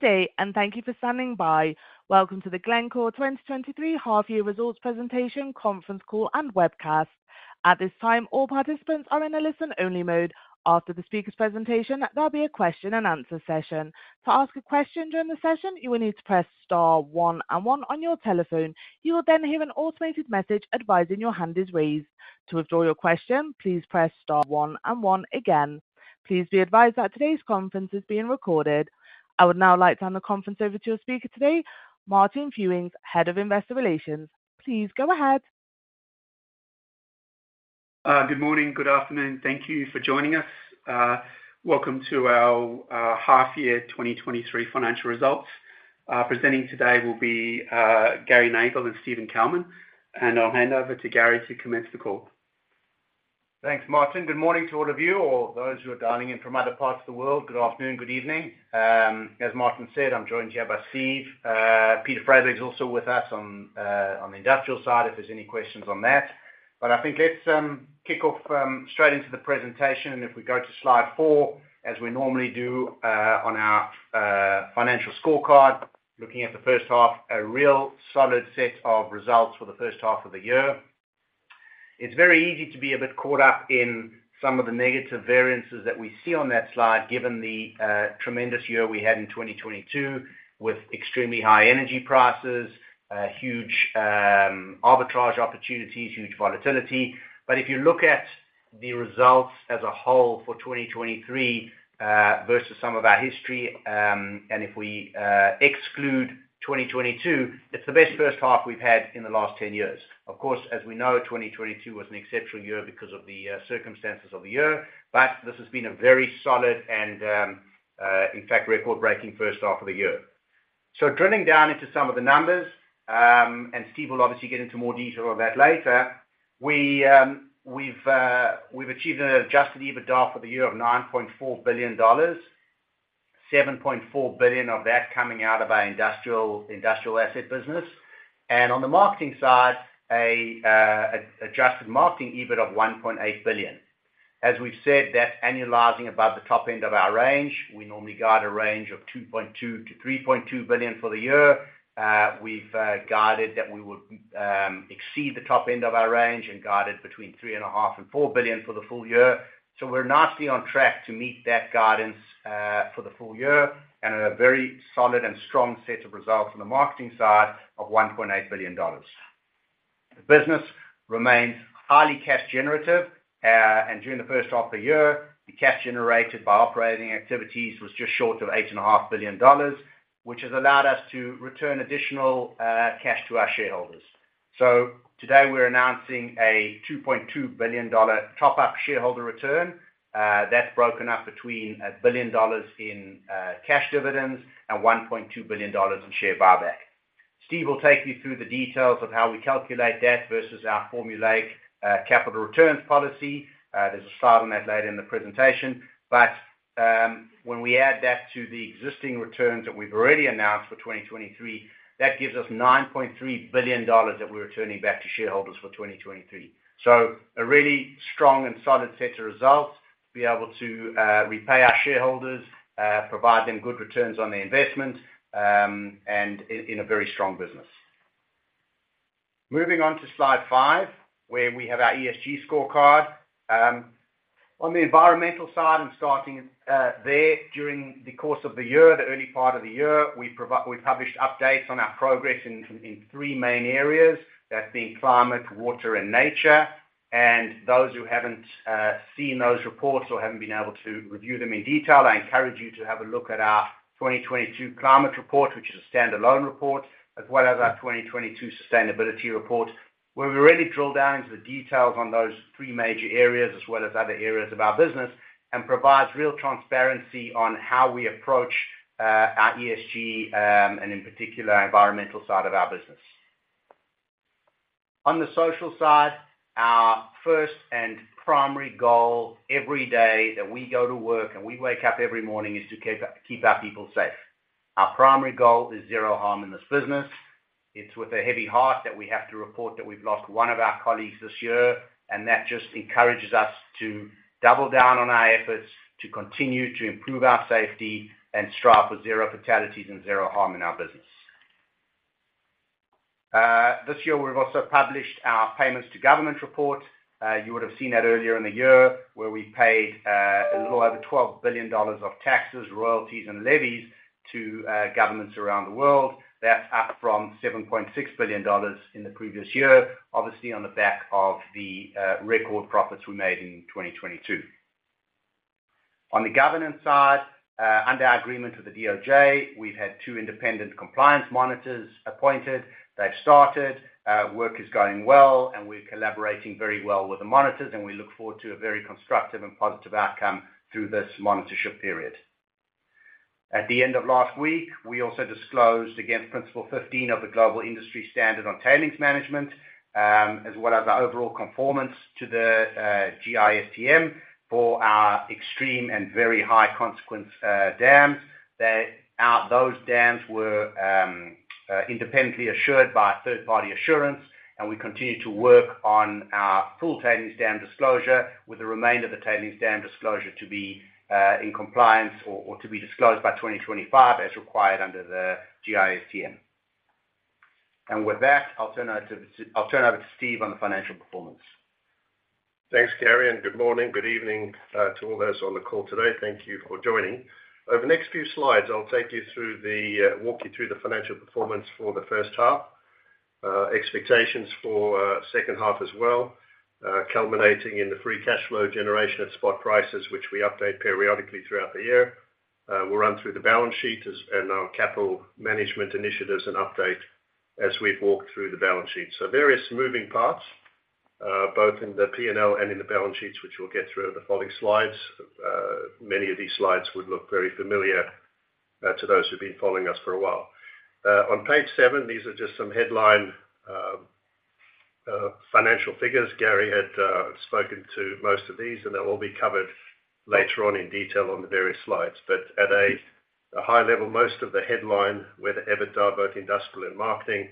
Good day, and thank you for standing by. Welcome to the Glencore 2023 Half-Year Results Presentation Conference Call and Webcast. At this time, all participants are in a listen-only mode. After the speaker's presentation, there'll be a question-and-answer session. To ask a question during the session, you will need to press star one one on your telephone. You will then hear an automated message advising your hand is raised. To withdraw your question, please press star one one again. Please be advised that today's conference is being recorded. I would now like to hand the conference over to your speaker today, Martin Fewings, Head of Investor Relations. Please go ahead. Good morning, good afternoon. Thank you for joining us. Welcome to our half year 2023 financial results. Presenting today will be Gary Nagle and Steven Kalmin, and I'll hand over to Gary to commence the call. Thanks, Martin. Good morning to all of you, or those who are dialing in from other parts of the world, good afternoon, good evening. As Martin said, I'm joined here by Steve. Peter Freyberg is also with us on the industrial side, if there's any questions on that. I think let's kick off straight into the presentation. If we go to slide 4, as we normally do, on our financial scorecard, looking at the first half, a real solid set of results for the first half of the year. It's very easy to be a bit caught up in some of the negative variances that we see on that slide, given the tremendous year we had in 2022, with extremely high energy prices, huge arbitrage opportunities, huge volatility. If you look at the results as a whole for 2023, versus some of our history, and if we exclude 2022, it's the best first half we've had in the last 10 years. Of course, as we know, 2022 was an exceptional year because of the circumstances of the year. This has been a very solid and, in fact, record-breaking first half of the year. Drilling down into some of the numbers, and Steve will obviously get into more detail of that later, we've achieved an adjusted EBITDA for the year of $9.4 billion, $7.4 billion of that coming out of our industrial, industrial asset business. On the marketing side, a adjusted marketing EBIT of $1.8 billion. As we've said, that's annualizing above the top end of our range. We normally guide a range of $2.2 billion-$3.2 billion for the year. We've guided that we would exceed the top end of our range and guide it between $3.5 billion and $4 billion for the full year. We're nicely on track to meet that guidance for the full year, and a very solid and strong set of results on the marketing side of $1.8 billion. The business remains highly cash generative, and during the first half of the year, the cash generated by operating activities was just short of $8.5 billion, which has allowed us to return additional cash to our shareholders. Today we're announcing a $2.2 billion top-up shareholder return. That's broken up between $1 billion in cash dividends and $1.2 billion in share buyback. Steve will take you through the details of how we calculate that versus our formulaic capital returns policy. There's a slide on that later in the presentation. When we add that to the existing returns that we've already announced for 2023, that gives us $9.3 billion that we're returning back to shareholders for 2023. A really strong and solid set of results, be able to repay our shareholders, provide them good returns on their investment, and in, in a very strong business. Moving on to slide 5, where we have our ESG scorecard. On the environmental side, and starting there, during the course of the year, the early part of the year, we published updates on our progress in three main areas, that being climate, water, and nature. And those who haven't seen those reports or haven't been able to review them in detail, I encourage you to have a look at our 2022 climate report, which is a standalone report, as well as our 2022 sustainability report, where we really drill down into the details on those three major areas, as well as other areas of our business, and provides real transparency on how we approach our ESG, and in particular, our environmental side of our business. On the social side, our first and primary goal every day that we go to work and we wake up every morning, is to keep our, keep our people safe. Our primary goal is zero harm in this business. It's with a heavy heart that we have to report that we've lost one of our colleagues this year, and that just encourages us to double down on our efforts to continue to improve our safety and strive for zero fatalities and zero harm in our business. This year, we've also published our payments to government report. You would have seen that earlier in the year, where we paid a little over $12 billion of taxes, royalties, and levies to governments around the world. That's up from $7.6 billion in the previous year, obviously, on the back of the record profits we made in 2022. On the governance side, under our agreement with the DOJ, we've had two independent compliance monitors appointed. They've started, work is going well, and we're collaborating very well with the monitors, and we look forward to a very constructive and positive outcome through this monitorship period. At the end of last week, we also disclosed against Principle 15 of the Global Industry Standard on Tailings Management, as well as the overall conformance to the GISTM for our extreme and very high consequence dams. Those dams were independently assured by a third-party assurance, we continue to work on our full tailings dam disclosure, with the remainder of the tailings dam disclosure to be in compliance or to be disclosed by 2025, as required under the GISTM. With that, I'll turn over to Steve on the financial performance. Thanks, Gary, and good morning, good evening, to all those on the call today. Thank you for joining. Over the next few slides, I'll walk you through the financial performance for the first half. Expectations for second half as well, culminating in the free cash flow generation at spot prices, which we update periodically throughout the year. We'll run through the balance sheet and our capital management initiatives and update as we've walked through the balance sheet. Various moving parts, both in the P&L and in the balance sheets, which we'll get through over the following slides. Many of these slides would look very familiar to those who've been following us for a while. On page 7, these are just some headline financial figures. Gary had spoken to most of these, and they'll all be covered later on in detail on the various slides. At a high level, most of the headline with EBITDA, both industrial and marketing,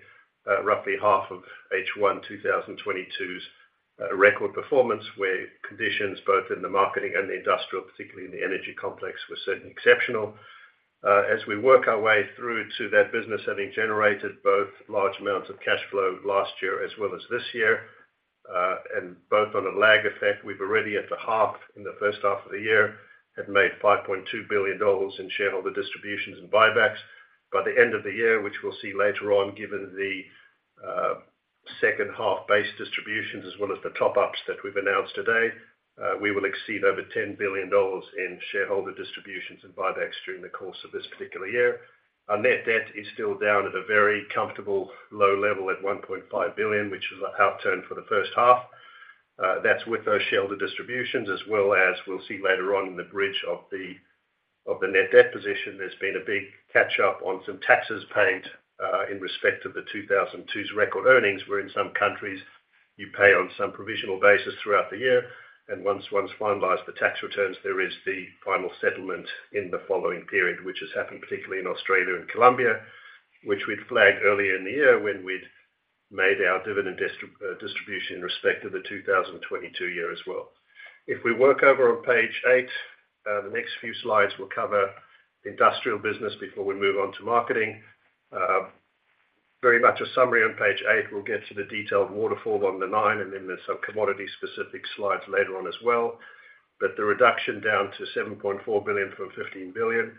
roughly half of H1 2022's record performance, where conditions both in the marketing and the industrial, particularly in the energy complex, were certainly exceptional. As we work our way through to that business, having generated both large amounts of cash flow last year as well as this year, and both on a lag effect, we've already at the half, in the first half of the year, have made $5.2 billion in shareholder distributions and buybacks. By the end of the year, which we'll see later on, given the second half base distributions as well as the top-ups that we've announced today, we will exceed over $10 billion in shareholder distributions and buybacks during the course of this particular year. Our net debt is still down at a very comfortable low level at $1.5 billion, which is an upturn for the first half. That's with those shareholder distributions, as well as we'll see later on in the bridge of the, of the net debt position, there's been a big catch up on some taxes paid, in respect of the 2002's record earnings, where in some countries you pay on some provisional basis throughout the year, and once one's finalized the tax returns, there is the final settlement in the following period, which has happened particularly in Australia and Colombia, which we'd flagged earlier in the year when we'd made our dividend dist- distribution in respect of the 2022 year as well. If we work over on page 8, the next few slides will cover industrial business before we move on to marketing. Very much a summary on page 8. We'll get to the detailed waterfall on page 9, and then there's some commodity-specific slides later on as well. The reduction down to $7.4 billion from $15 billion,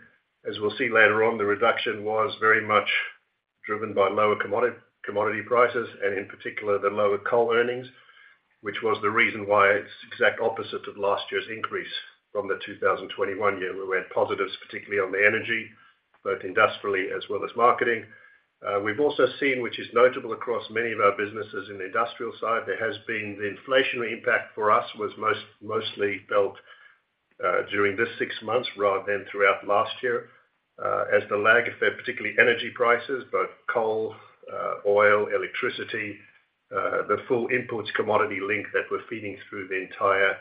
as we'll see later on, the reduction was very much driven by lower commodity prices, and in particular, the lower coal earnings, which was the reason why it's the exact opposite of last year's increase from the 2021 year, where we had positives, particularly on the energy, both industrially as well as marketing. We've also seen, which is notable across many of our businesses in the industrial side, there has been the inflationary impact for us was most- mostly felt, during this six months rather than throughout last year, as the lag, if they're particularly energy prices, both coal, oil, electricity, the full inputs commodity link that we're feeding through the entire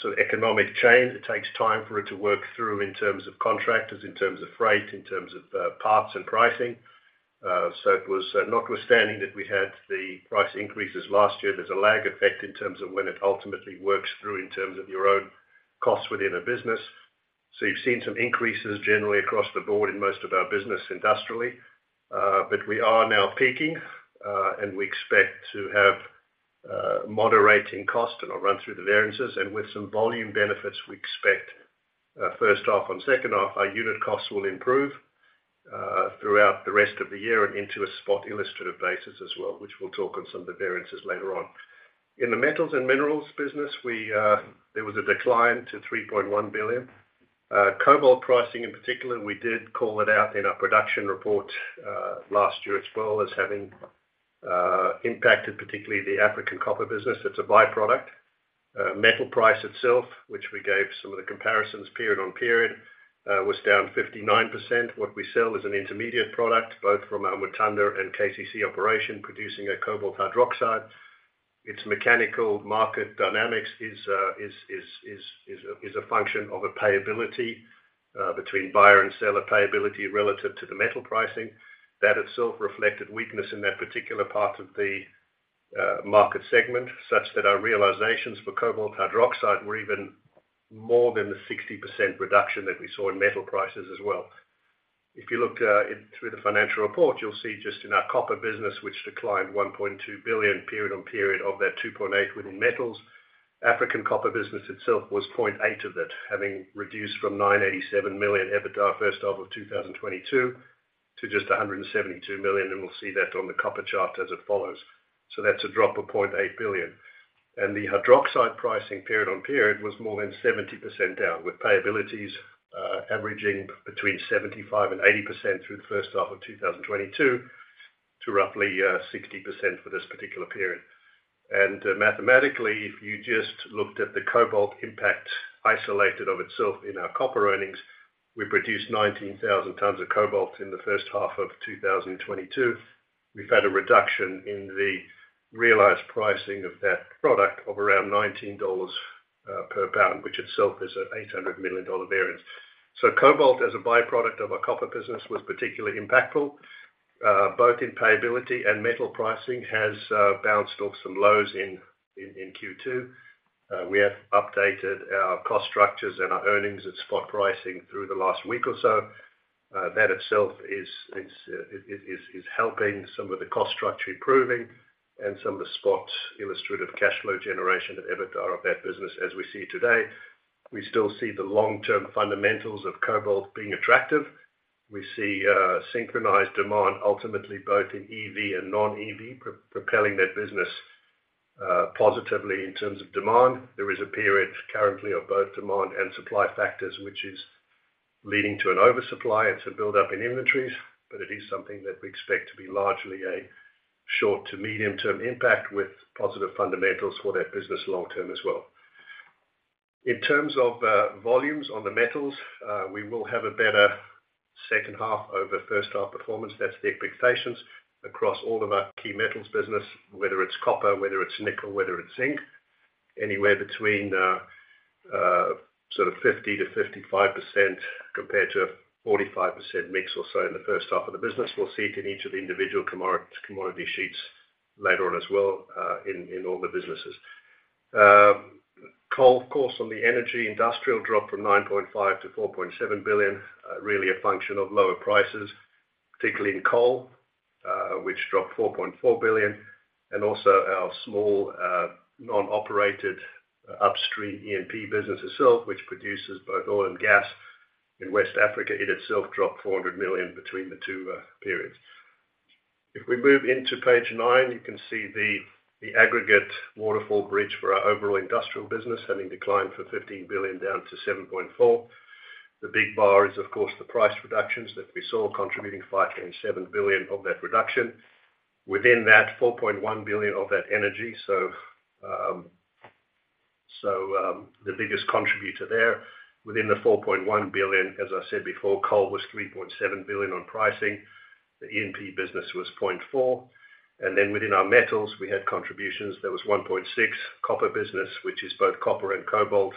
sort of economic chain, it takes time for it to work through in terms of contractors, in terms of freight, in terms of parts and pricing. It was notwithstanding that we had the price increases last year, there's a lag effect in terms of when it ultimately works through in terms of your own costs within a business. You've seen some increases generally across the board in most of our business industrially, but we are now peaking, and we expect to have moderating cost, and I'll run through the variances. With some volume benefits, we expect, first half and second half, our unit costs will improve throughout the rest of the year and into a spot illustrative basis as well, which we'll talk on some of the variances later on. In the metals and minerals business, we, there was a decline to $3.1 billion. Cobalt pricing in particular, we did call it out in our production report, last year, as well as having impacted, particularly the African copper business. It's a by-product. Metal price itself, which we gave some of the comparisons period-on-period, was down 59%. What we sell is an intermediate product, both from our Mutanda and KCC operation, producing a cobalt hydroxide. Its mechanical market dynamics is a function of a payability between buyer and seller payability relative to the metal pricing. That itself reflected weakness in that particular part of the market segment, such that our realizations for cobalt hydroxide were even more than the 60% reduction that we saw in metal prices as well. If you look in through the financial report, you'll see just in our copper business, which declined $1.2 billion period-on-period of that $2.8 billion within metals, African copper business itself was $0.8 billion of it, having reduced from $987 million EBITDA first half of 2022 to just $172 million, and we'll see that on the copper chart as it follows. That's a drop of $0.8 billion. The hydroxide pricing period-on-period was more than 70% down, with payabilities averaging between 75%-80% through the first half of 2022 to roughly 60% for this particular period. Mathematically, if you just looked at the cobalt impact isolated of itself in our copper earnings, we produced 19,000 tons of cobalt in the first half of 2022. We've had a reduction in the realized pricing of that product of around $19 per pound, which itself is an $800 million variance. Cobalt, as a byproduct of our copper business, was particularly impactful, both in payability and metal pricing has bounced off some lows in Q2. We have updated our cost structures and our earnings at spot pricing through the last week or so. That itself is helping some of the cost structure improving and some of the spot illustrative cash flow generation and EBITDA of that business as we see it today. We still see the long-term fundamentals of cobalt being attractive. We see synchronized demand ultimately both in EV and non-EV, propelling that business, positively in terms of demand. There is a period currently of both demand and supply factors, which is leading to an oversupply and to build up in inventories, it is something that we expect to be largely a short to medium-term impact with positive fundamentals for that business long-term as well. In terms of volumes on the metals, we will have a better second half over first half performance. That's the expectations across all of our key metals business, whether it's copper, whether it's nickel, whether it's zinc, anywhere between 50%-55% compared to 45% mix or so in the first half of the business. We'll see it in each of the individual commodity sheets later on as well, in all the businesses. Coal, of course, on the energy industrial dropped from $9.5 billion-$4.7 billion, really a function of lower prices, particularly in coal, which dropped $4.4 billion, and also our small non-operated upstream E&P business itself, which produces both oil and gas in West Africa, it itself dropped $400 million between the two periods. If we move into page nine, you can see the aggregate waterfall bridge for our overall industrial business, having declined from $15 billion down to $7.4 billion. The big bar is, of course, the price reductions that we saw contributing $5.7 billion of that reduction. Within that, $4.1 billion of that energy, the biggest contributor there within the $4.1 billion, as I said before, coal was $3.7 billion on pricing. The E&P business was $0.4 billion, then within our metals, we had contributions. There was $1.6 billion copper business, which is both copper and cobalt,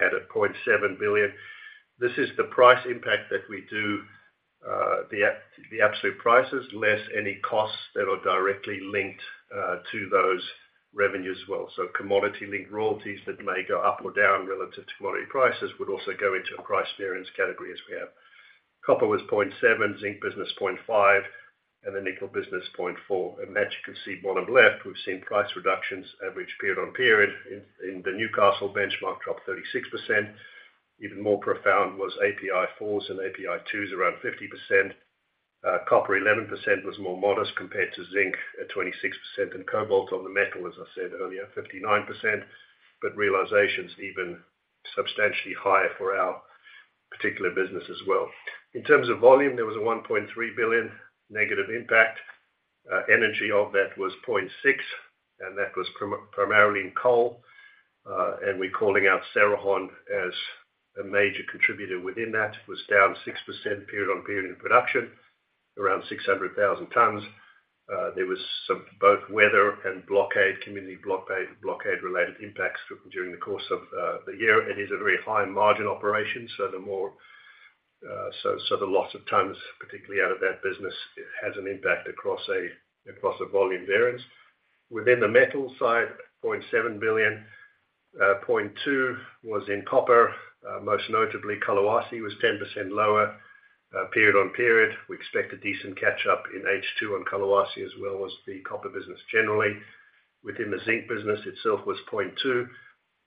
had a $0.7 billion. This is the price impact that we do, the absolute prices, less any costs that are directly linked to those revenues as well. Commodity-linked royalties that may go up or down relative to commodity prices would also go into a price variance category as we have. Copper was $0.7 billion, zinc business $0.5 billion, and the nickel business $0.4 billion. As you can see bottom left, we've seen price reductions average period-on-period in the Newcastle benchmark dropped 36%. Even more profound was API 4 and API 2s around 50%. Copper, 11%, was more modest compared to zinc at 26%. Cobalt on the metal, as I said earlier, 59%, but realization is even substantially higher for our particular business as well. In terms of volume, there was a $1.3 billion negative impact. Energy of that was $0.6 billion, and that was primarily in coal. We're calling out Cerrejón as a major contributor within that, was down 6% period-on-period in production, around 600,000 tons. There was some-- both weather and blockade, community blockade, blockade-related impacts during the course of the year, and is a very high margin operation. So the more the loss of tons, particularly out of that business, it has an impact across a volume variance. Within the metals side, $0.7 billion, $0.2 billion was in copper. Most notably, Kolwezi was 10% lower period-on-period. We expect a decent catch-up in H2 on Kolwezi, as well as the copper business generally. Within the zinc business itself was $0.2 billion.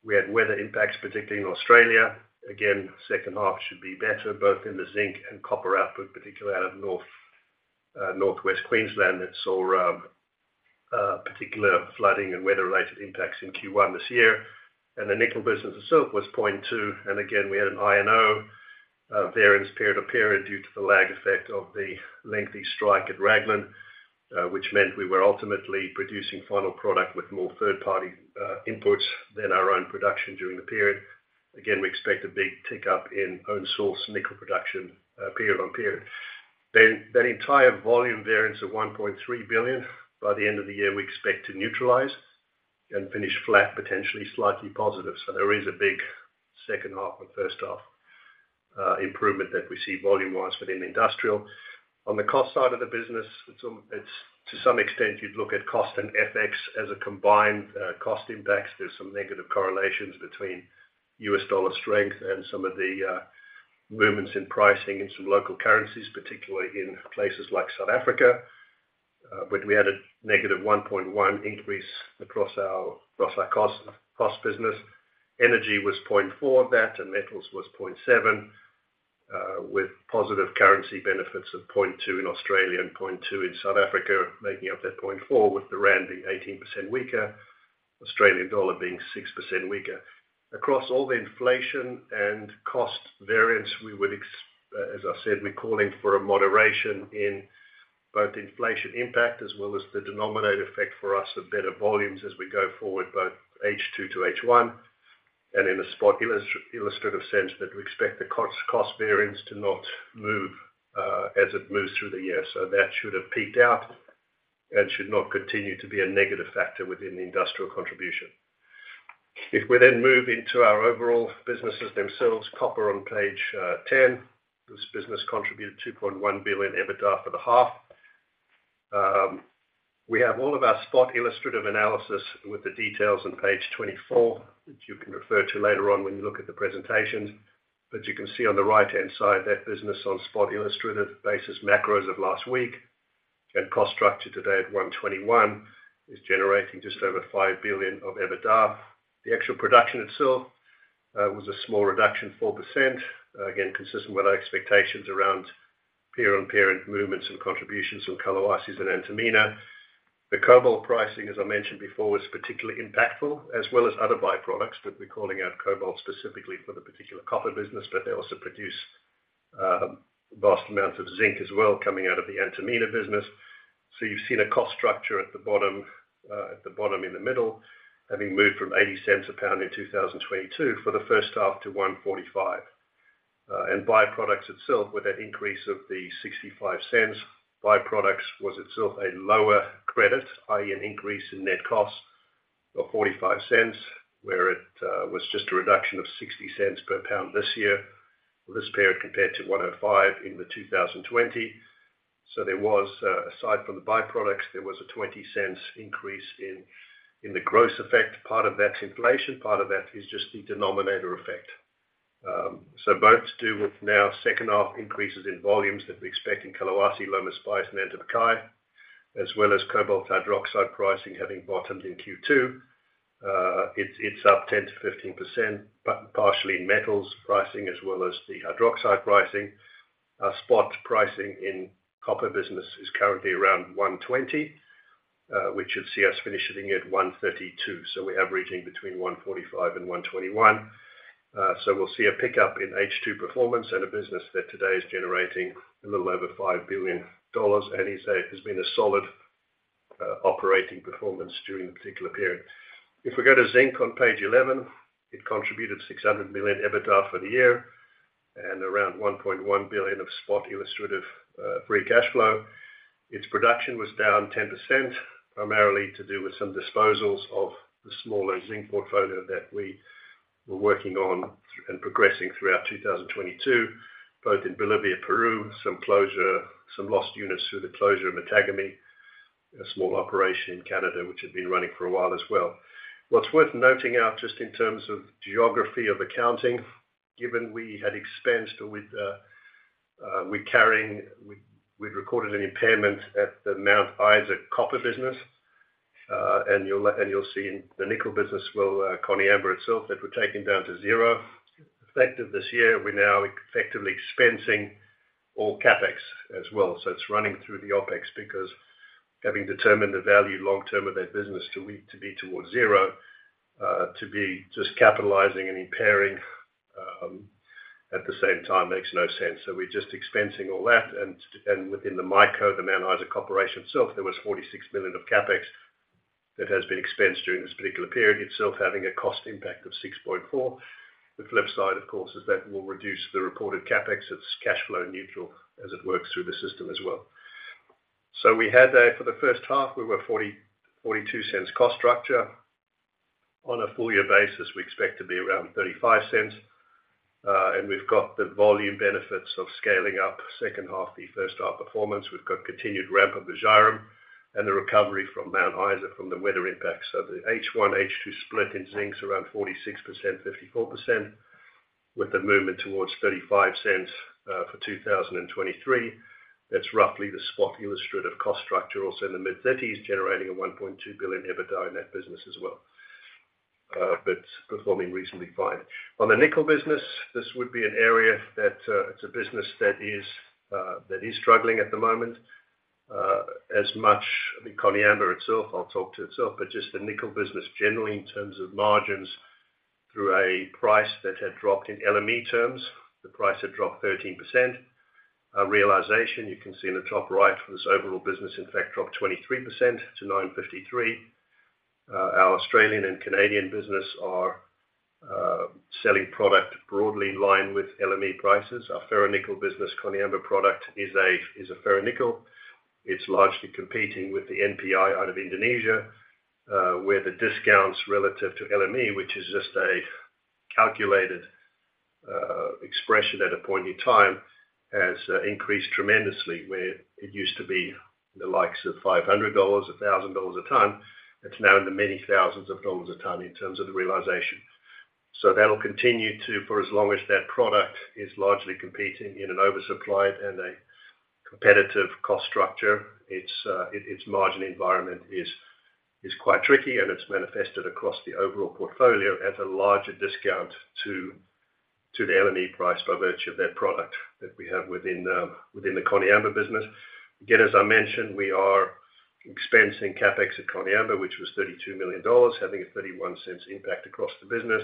We had weather impacts, particularly in Australia. Again, second half should be better, both in the zinc and copper output, particularly out of Northwest Queensland. That saw particular flooding and weather-related impacts in Q1 this year. The nickel business itself was $0.2 billion, and again, we had an INO variance period to period due to the lag effect of the lengthy strike at Raglan, which meant we were ultimately producing final product with more third-party inputs than our own production during the period. Again, we expect a big tick-up in own source nickel production period-on-period. That entire volume variance of $1.3 billion, by the end of the year, we expect to neutralize and finish flat, potentially slightly positive. There is a big second half and first half improvement that we see volume-wise within industrial. On the cost side of the business, it's to some extent, you'd look at cost and FX as a combined cost impacts. There's some negative correlations between U.S. dollar strength and some of the movements in pricing in some local currencies, particularly in places like South Africa. We had a -$1.1 billion increase across our, across our cost, cost business. Energy was $0.4 billion of that, and metals was $0.7 billion, with positive currency benefits of $0.2 billion in Australia and $0.2 billion in South Africa, making up that $0.4 billion, with the rand being 18% weaker, Australian dollar being 6% weaker. Across all the inflation and cost variance, we would as I said, we're calling for a moderation in both inflation impact as well as the denominator effect for us of better volumes as we go forward, both H2 to H1. In a spot illustrative sense that we expect the cost variance to not move as it moves through the year. That should have peaked out and should not continue to be a negative factor within the industrial contribution. If we then move into our overall businesses themselves, copper on page 10, this business contributed $2.1 billion EBITDA for the half. We have all of our spot illustrative analysis with the details on page 24, which you can refer to later on when you look at the presentation. You can see on the right-hand side, that business on spot illustrative basis, macro as of last week, and cost structure today at $1.21, is generating just over $5 billion of EBITDA. The actual production itself was a small reduction, 4%. Again, consistent with our expectations around year-on-year movements and contributions from Kolwezi and Antamina. The cobalt pricing, as I mentioned before, was particularly impactful, as well as other byproducts, but we're calling out cobalt specifically for the particular copper business, but they also produce vast amounts of zinc as well, coming out of the Antamina business. You've seen a cost structure at the bottom, at the bottom in the middle, having moved from $0.80/lb in 2022 for the first half to $1.45. Byproducts itself, with that increase of the $0.65, byproducts was itself a lower credit, i.e., an increase in net cost of $0.45, where it was just a reduction of $0.60/lb this year, this period, compared to $1.05 in 2020. There was, aside from the byproducts, there was a $0.20 increase in, in the gross effect. Part of that's inflation, part of that is just the denominator effect. Both to do with now second half increases in volumes that we expect in Kolwezi, Lomas Bayas and Antapaccay, as well as cobalt hydroxide pricing having bottomed in Q2. It's up 10%-15%, partially in metals pricing as well as the hydroxide pricing. Our spot pricing in copper business is currently around $1.20, which should see us finishing at $1.32. We're averaging between $1.45 and $1.21. We'll see a pickup in H2 performance and a business that today is generating a little over $5 billion, and you say, has been a solid operating performance during the particular period. If we go to zinc on page 11, it contributed $600 million EBITDA for the year and around $1.1 billion of spot illustrative free cash flow. Its production was down 10%, primarily to do with some disposals of the smaller zinc portfolio that we were working on and progressing throughout 2022, both in Bolivia, Peru, some lost units through the closure of Matagami, a small operation in Canada, which had been running for a while as well. What's worth noting out, just in terms of geography of accounting, given we had expensed or we'd recorded an impairment at the Mount Isa copper business, and you'll see in the nickel business, well, Koniambo itself, that we're taking down to zero. Effective this year, we're now effectively expensing all CapEx as well. It's running through the OpEx because having determined the value long term of that business to we- to be towards zero, to be just capitalizing and impairing at the same time, makes no sense. We're just expensing all that. And within the MICO, the Mount Isa Corporation itself, there was $46 million of CapEx that has been expensed during this particular period, itself having a cost impact of $6.4 million. The flip side, of course, is that will reduce the reported CapEx. It's cashflow neutral as it works through the system as well. We had that for the first half, we were $0.40-$0.42 cost structure. On a full-year basis, we expect to be around $0.35, and we've got the volume benefits of scaling up second half, the first half performance. We've got continued ramp of the Zhairem and the recovery from Mount Isa from the weather impact. The H1, H2 split in zinc is around 46%, 54%, with the movement towards $0.35 for 2023. That's roughly the spot illustrative cost structure, also in the mid-30s, generating a $1.2 billion EBITDA in that business as well, but performing reasonably fine. On the nickel business, this would be an area that it's a business that is that is struggling at the moment, as much the Koniambo itself, I'll talk to itself, but just the nickel business generally, in terms of margins, through a price that had dropped in LME terms, the price had dropped 13%. Realization, you can see in the top right, for this overall business, in fact, dropped 23% to $9.53. Our Australian and Canadian business are selling product broadly in line with LME prices. Our ferronickel business, Koniambo product, is a, is a ferronickel. It's largely competing with the NPI out of Indonesia, where the discounts relative to LME, which is just a calculated expression at a point in time, has increased tremendously. Where it used to be the likes of $500, $1,000 a ton, it's now in the many thousands of dollars a ton in terms of the realization. That'll continue to, for as long as that product is largely competing in an oversupplied and a competitive cost structure, its margin environment is quite tricky, and it's manifested across the overall portfolio at a larger discount to the LME price by virtue of that product that we have within the Koniambo business. Again, as I mentioned, we are expensing CapEx at Koniambo, which was $32 million, having a $0.31 impact across the business.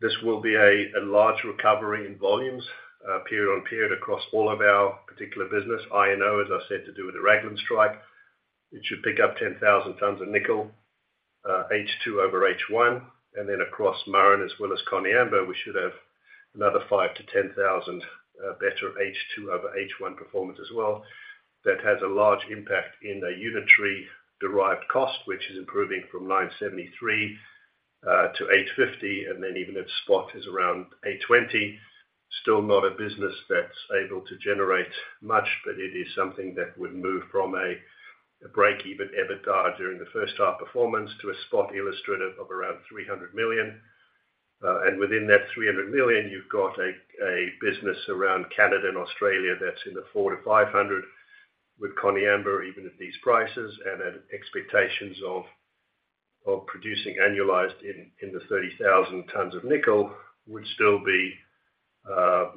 This will be a large recovery in volumes, period-on-period across all of our particular business. INO, as I said, to do with the Raglan strike. It should pick up 10,000 tons of nickel, H2 over H1, and then across Murrin as well as Koniambo, we should have another 5,000-10,000 better H2 over H1 performance as well. That has a large impact in the unitary derived cost, which is improving from $973 to $850. Even if spot is around $820, still not a business that's able to generate much, but it is something that would move from a, a break-even EBITDA during the first half performance to a spot illustrative of around $300 million. Within that $300 million, you've got a, a business around Canada and Australia that's in the $400 million-$500 million with Koniambo, even at these prices, and at expectations of, of producing annualized in, in the 30,000 tons of nickel, would still be,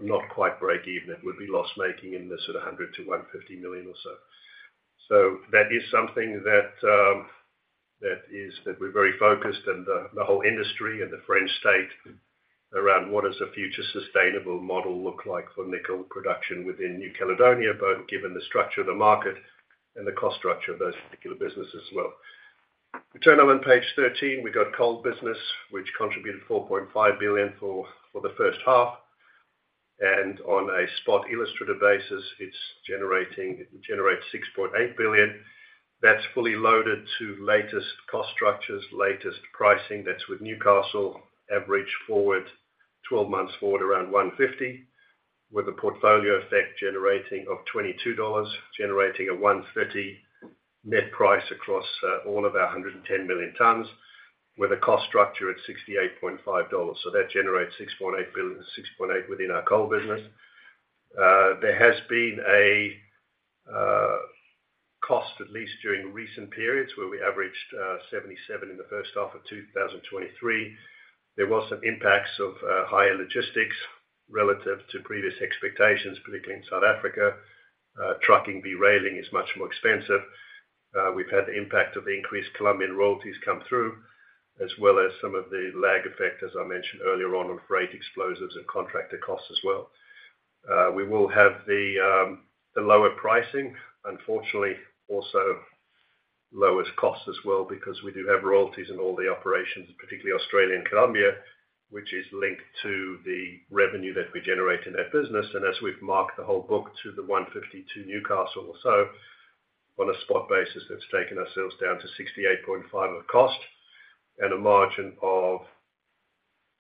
not quite break even. It would be loss-making in the sort of $100 million-$150 million or so. That is something that is-- that we're very focused and the, the whole industry and the French state around what does a future sustainable model look like for nickel production within New Caledonia, both given the structure of the market and the cost structure of those particular businesses as well. We turn on on page 13, we've got coal business, which contributed $4.5 billion for the first half, and on a spot illustrative basis, it generates $6.8 billion. That's fully loaded to latest cost structures, latest pricing, that's with Newcastle average forward, 12 months forward, around $150, with a portfolio effect generating of $22, generating a $130 net price across all of our 110 million tons, with a cost structure at $68.5. That generates $6.8 within our coal business. There has been a cost, at least during recent periods, where we averaged $77 in the first half of 2023. There were some impacts of higher logistics relative to previous expectations, particularly in South Africa. Trucking, de-railing is much more expensive. We've had the impact of the increased Colombian royalties come through, as well as some of the lag effect, as I mentioned earlier on, on freight explosives and contractor costs as well. We will have the lower pricing, unfortunately, also lower costs as well, because we do have royalties in all the operations, particularly Australia and Colombia, which is linked to the revenue that we generate in that business. As we've marked the whole book to the $152 Newcastle or so, on a spot basis, that's taken ourselves down to $68.5 of cost and a margin of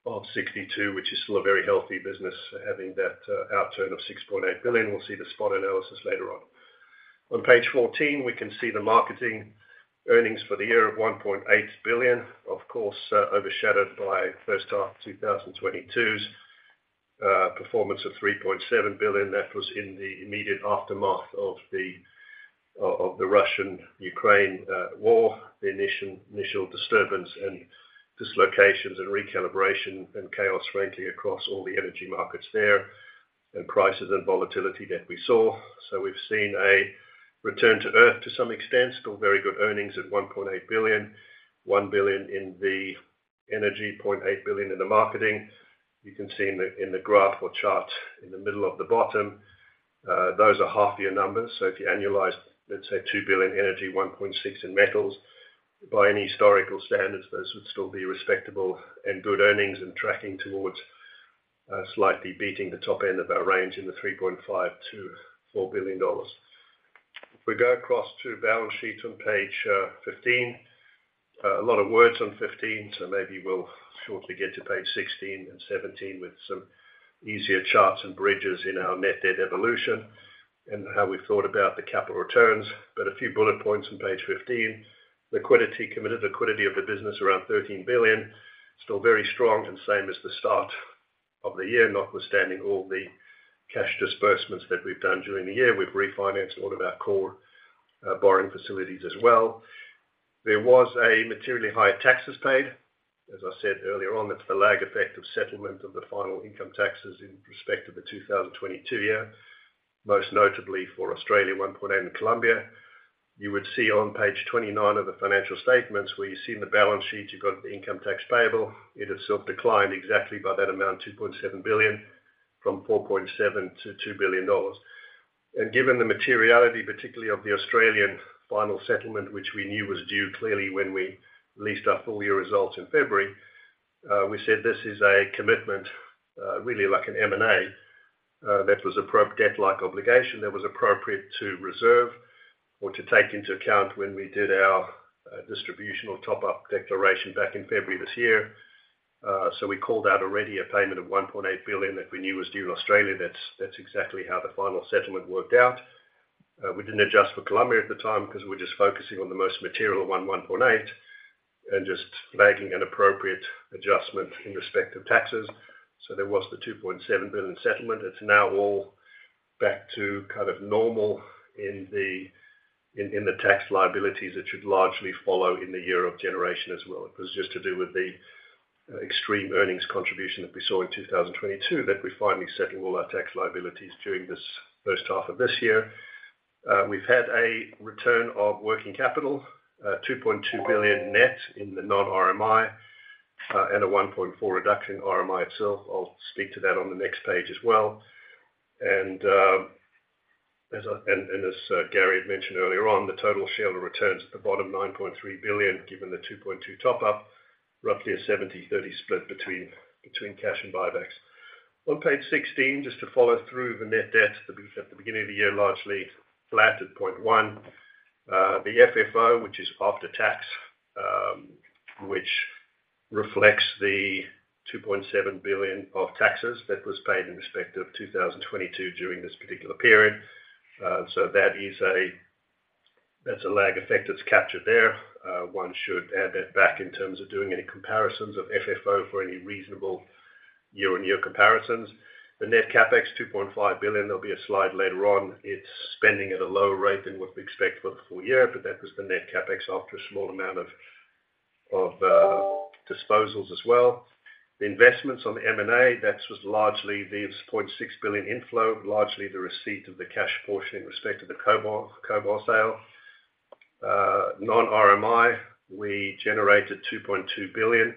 $62, which is still a very healthy business, having that outturn of $6.8 billion. We'll see the spot analysis later on. On page 14, we can see the marketing earnings for the year of $1.8 billion, of course, overshadowed by first half of 2022's performance of $3.7 billion. That was in the immediate aftermath of the Russian-Ukraine war, the initial, initial disturbance and dislocations and recalibration and chaos frankly, across all the energy markets there, and prices and volatility that we saw. We've seen a return to Earth to some extent, still very good earnings at $1.8 billion, $1 billion in the energy, $0.8 billion in the marketing. You can see in the graph or chart in the middle of the bottom, those are half year numbers. If you annualize, let's say, $2 billion energy, $1.6 billion in metals, by any historical standards, those would still be respectable and good earnings and tracking towards slightly beating the top end of our range in the $3.5 billion-$4 billion. If we go across to balance sheet on page 15. A lot of words on 15, so maybe we'll shortly get to page 16 and 17 with some easier charts and bridges in our net debt evolution and how we've thought about the capital returns. A few bullet points on page 15: liquidity, committed liquidity of the business around $13 billion, still very strong and same as the start of the year, notwithstanding all the cash disbursements that we've done during the year. We've refinanced all of our core borrowing facilities as well. There was a materially higher taxes paid. As I said earlier on, that's the lag effect of settlement of the final income taxes in respect of the 2022 year, most notably for Australia, $1.8 billion, and Colombia. You would see on page 29 of the financial statements, where you see in the balance sheet, you've got the income tax payable. It has sort of declined exactly by that amount, $2.7 billion, from $4.7 billion to $2 billion. Given the materiality, particularly of the Australian final settlement, which we knew was due clearly when we released our full-year results in February, we said this is a commitment, really like an M&A, that was debt-like obligation that was appropriate to reserve or to take into account when we did our distributional top-up declaration back in February this year. We called out already a payment of $1.8 billion that we knew was due in Australia. That's, that's exactly how the final settlement worked out. We didn't adjust for Colombia at the time because we're just focusing on the most material one, $1.8 billion, and just making an appropriate adjustment in respect of taxes. There was the $2.7 billion settlement. It's now all back to kind of normal in the tax liabilities, that should largely follow in the year of generation as well. It was just to do with the extreme earnings contribution that we saw in 2022, that we're finally settling all our tax liabilities during this first half of this year. We've had a return of working capital, $2.2 billion net in the non-RMI. A $1.4 reduction in RMI itself. I'll speak to that on the next page as well. As Gary had mentioned earlier on, the total shareholder returns at the bottom, $9.3 billion, given the $2.2 billion top up, roughly a 70/30 split between cash and buybacks. On page 16, just to follow through the net debt at the beginning of the year, largely flat at $0.1 billion. The FFO, which is after tax, which reflects the $2.7 billion of taxes that was paid in respect of 2022 during this particular period. So that is a, that's a lag effect that's captured there. One should add that back in terms of doing any comparisons of FFO for any reasonable year-on-year comparisons. The net CapEx, $2.5 billion, there'll be a slide later on. It's spending at a lower rate than what we expect for the full year, but that was the net CapEx after a small amount of disposals as well. The investments on the M&A, that was largely the $0.6 billion inflow, largely the receipt of the cash portion in respect to the Cobalt sale. Non-RMI, we generated $2.2 billion.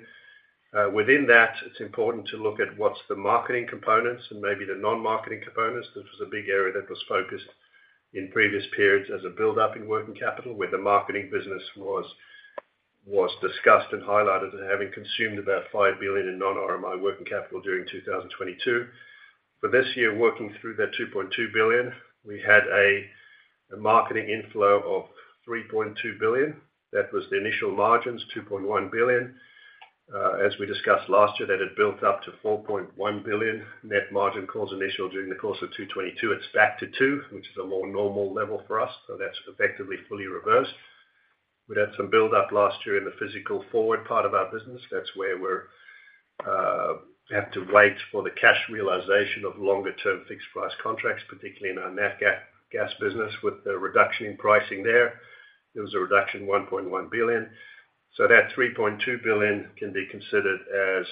Within that, it's important to look at what's the marketing components and maybe the non-marketing components. This was a big area that was focused in previous periods as a buildup in working capital, where the marketing business was discussed and highlighted as having consumed about $5 billion in non-RMI working capital during 2022. For this year, working through that $2.2 billion, we had a marketing inflow of $3.2 billion. That was the initial margins, $2.1 billion. As we discussed last year, that had built up to $4.1 billion net margin calls initial during the course of 2022. It's back to $2 billion, which is a more normal level for us, so that's effectively fully reversed. We'd had some buildup last year in the physical forward part of our business. That's where we're have to wait for the cash realization of longer-term fixed price contracts, particularly in our natural gas business, with the reduction in pricing there. There was a reduction, $1.1 billion. That $3.2 billion can be considered as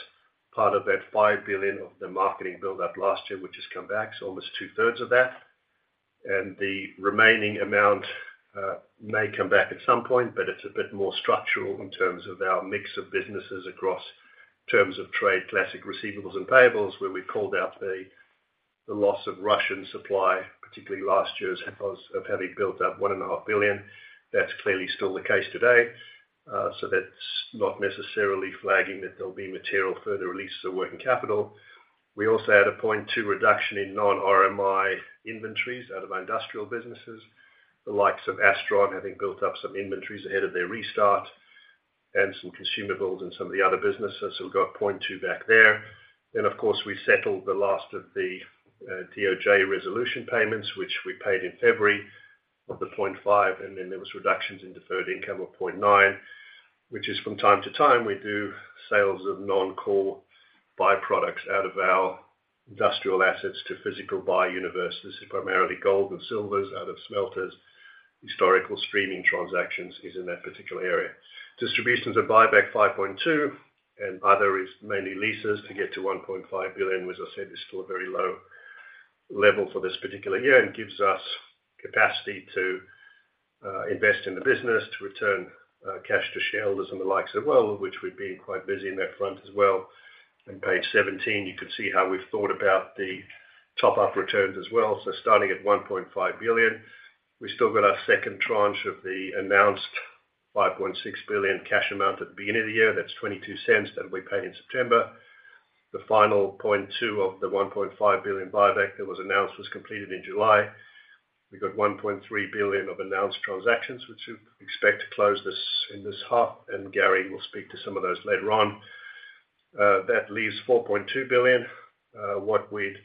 part of that $5 billion of the marketing buildup last year, which has come back, almost two-thirds of that. The remaining amount may come back at some point, but it's a bit more structural in terms of our mix of businesses across terms of trade, classic receivables and payables, where we called out the loss of Russian supply, particularly last year's, of having built up $1.5 billion. That's clearly still the case today, so that's not necessarily flagging that there'll be material further releases of working capital. We also had a $0.2 billion reduction in non-RMI inventories out of our industrial businesses, the likes of Astron having built up some inventories ahead of their restart, and some consumer builds and some of the other businesses. We've got $0.2 billion back there. Of course, we settled the last of the DOJ resolution payments, which we paid in February of the $0.5 billion, and then there was reductions in deferred income of $0.9 billion, which is from time to time, we do sales of non-core byproducts out of our industrial assets to physical buy universe. This is primarily gold and silvers out of smelters. Historical streaming transactions is in that particular area. Distributions and buybacks, $5.2 billion, and other is mainly leases to get to $1.5 billion, which I said is still a very low level for this particular year and gives us capacity to invest in the business, to return cash to shareholders and the likes as well, which we've been quite busy on that front as well. On page 17, you can see how we've thought about the top-up returns as well. Starting at $1.5 billion, we've still got our second tranche of the announced $5.6 billion cash amount at the beginning of the year. That's $0.22 that'll be paid in September. The final $0.2 billion of the $1.5 billion buyback that was announced, was completed in July. We got $1.3 billion of announced transactions, which we expect to close in this half, and Gary will speak to some of those later on. That leaves $4.2 billion, what we'd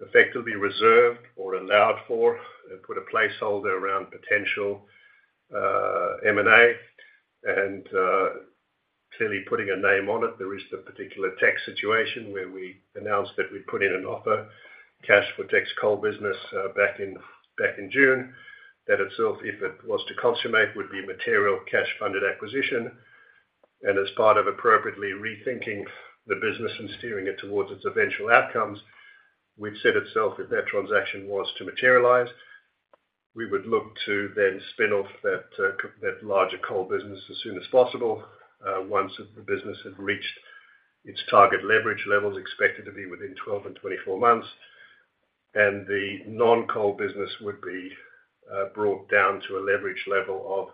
effectively reserved or allowed for and put a placeholder around potential M&A. Clearly putting a name on it, there is the particular tax situation where we announced that we'd put in an offer, cash for tax coal business back in June. That itself, if it was to consummate, would be material cash-funded acquisition. As part of appropriately rethinking the business and steering it towards its eventual outcomes, we've said itself if that transaction was to materialize, we would look to then spin off that, that larger coal business as soon as possible, once the business had reached its target leverage levels, expected to be within 12 and 24 months. The non-coal business would be brought down to a leverage level of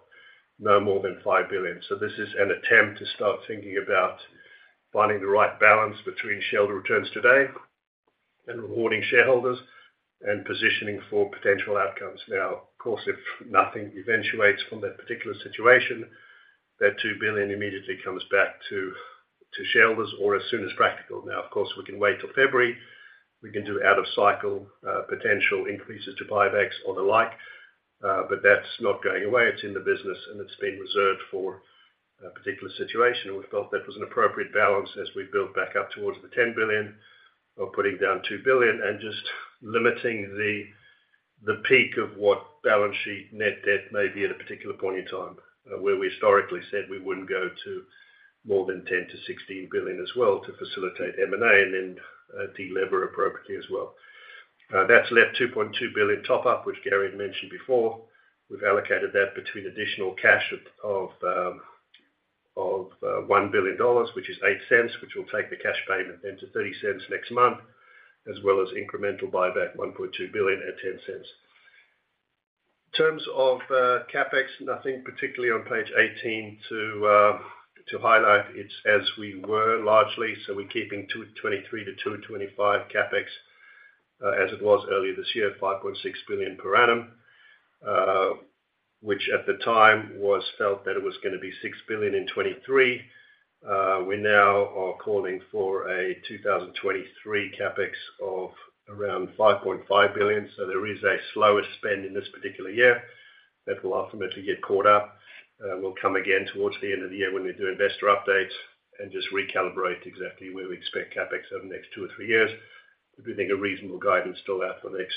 no more than $5 billion. This is an attempt to start thinking about finding the right balance between shareholder returns today and rewarding shareholders and positioning for potential outcomes. Of course, if nothing eventuates from that particular situation, that $2 billion immediately comes back to shareholders or as soon as practical. Of course, we can wait till February. We can do out of cycle, potential increases to buybacks or the like, but that's not going away. It's in the business, and it's been reserved for a particular situation. We felt that was an appropriate balance as we build back up towards the $10 billion of putting down $2 billion and just limiting the, the peak of what balance sheet net debt may be at a particular point in time, where we historically said we wouldn't go to more than $10 billion-$16 billion as well to facilitate M&A and then, delever appropriately as well. That's left $2.2 billion top up, which Gary had mentioned before. We've allocated that between additional cash of $1 billion, which is $0.08, which will take the cash payment then to $0.30 next month, as well as incremental buyback, $1.2 billion at $0.10. In terms of CapEx, nothing particularly on page 18 to highlight. It's as we were largely, so we're keeping 2023-2025 CapEx as it was earlier this year, $5.6 billion per annum. Which at the time was felt that it was gonna be $6 billion in 2023. We now are calling for a 2023 CapEx of around $5.5 billion. There is a slower spend in this particular year that will ultimately get caught up. We'll come again towards the end of the year when we do investor updates and just recalibrate exactly where we expect CapEx over the next two or three years. We do think a reasonable guidance still out for the next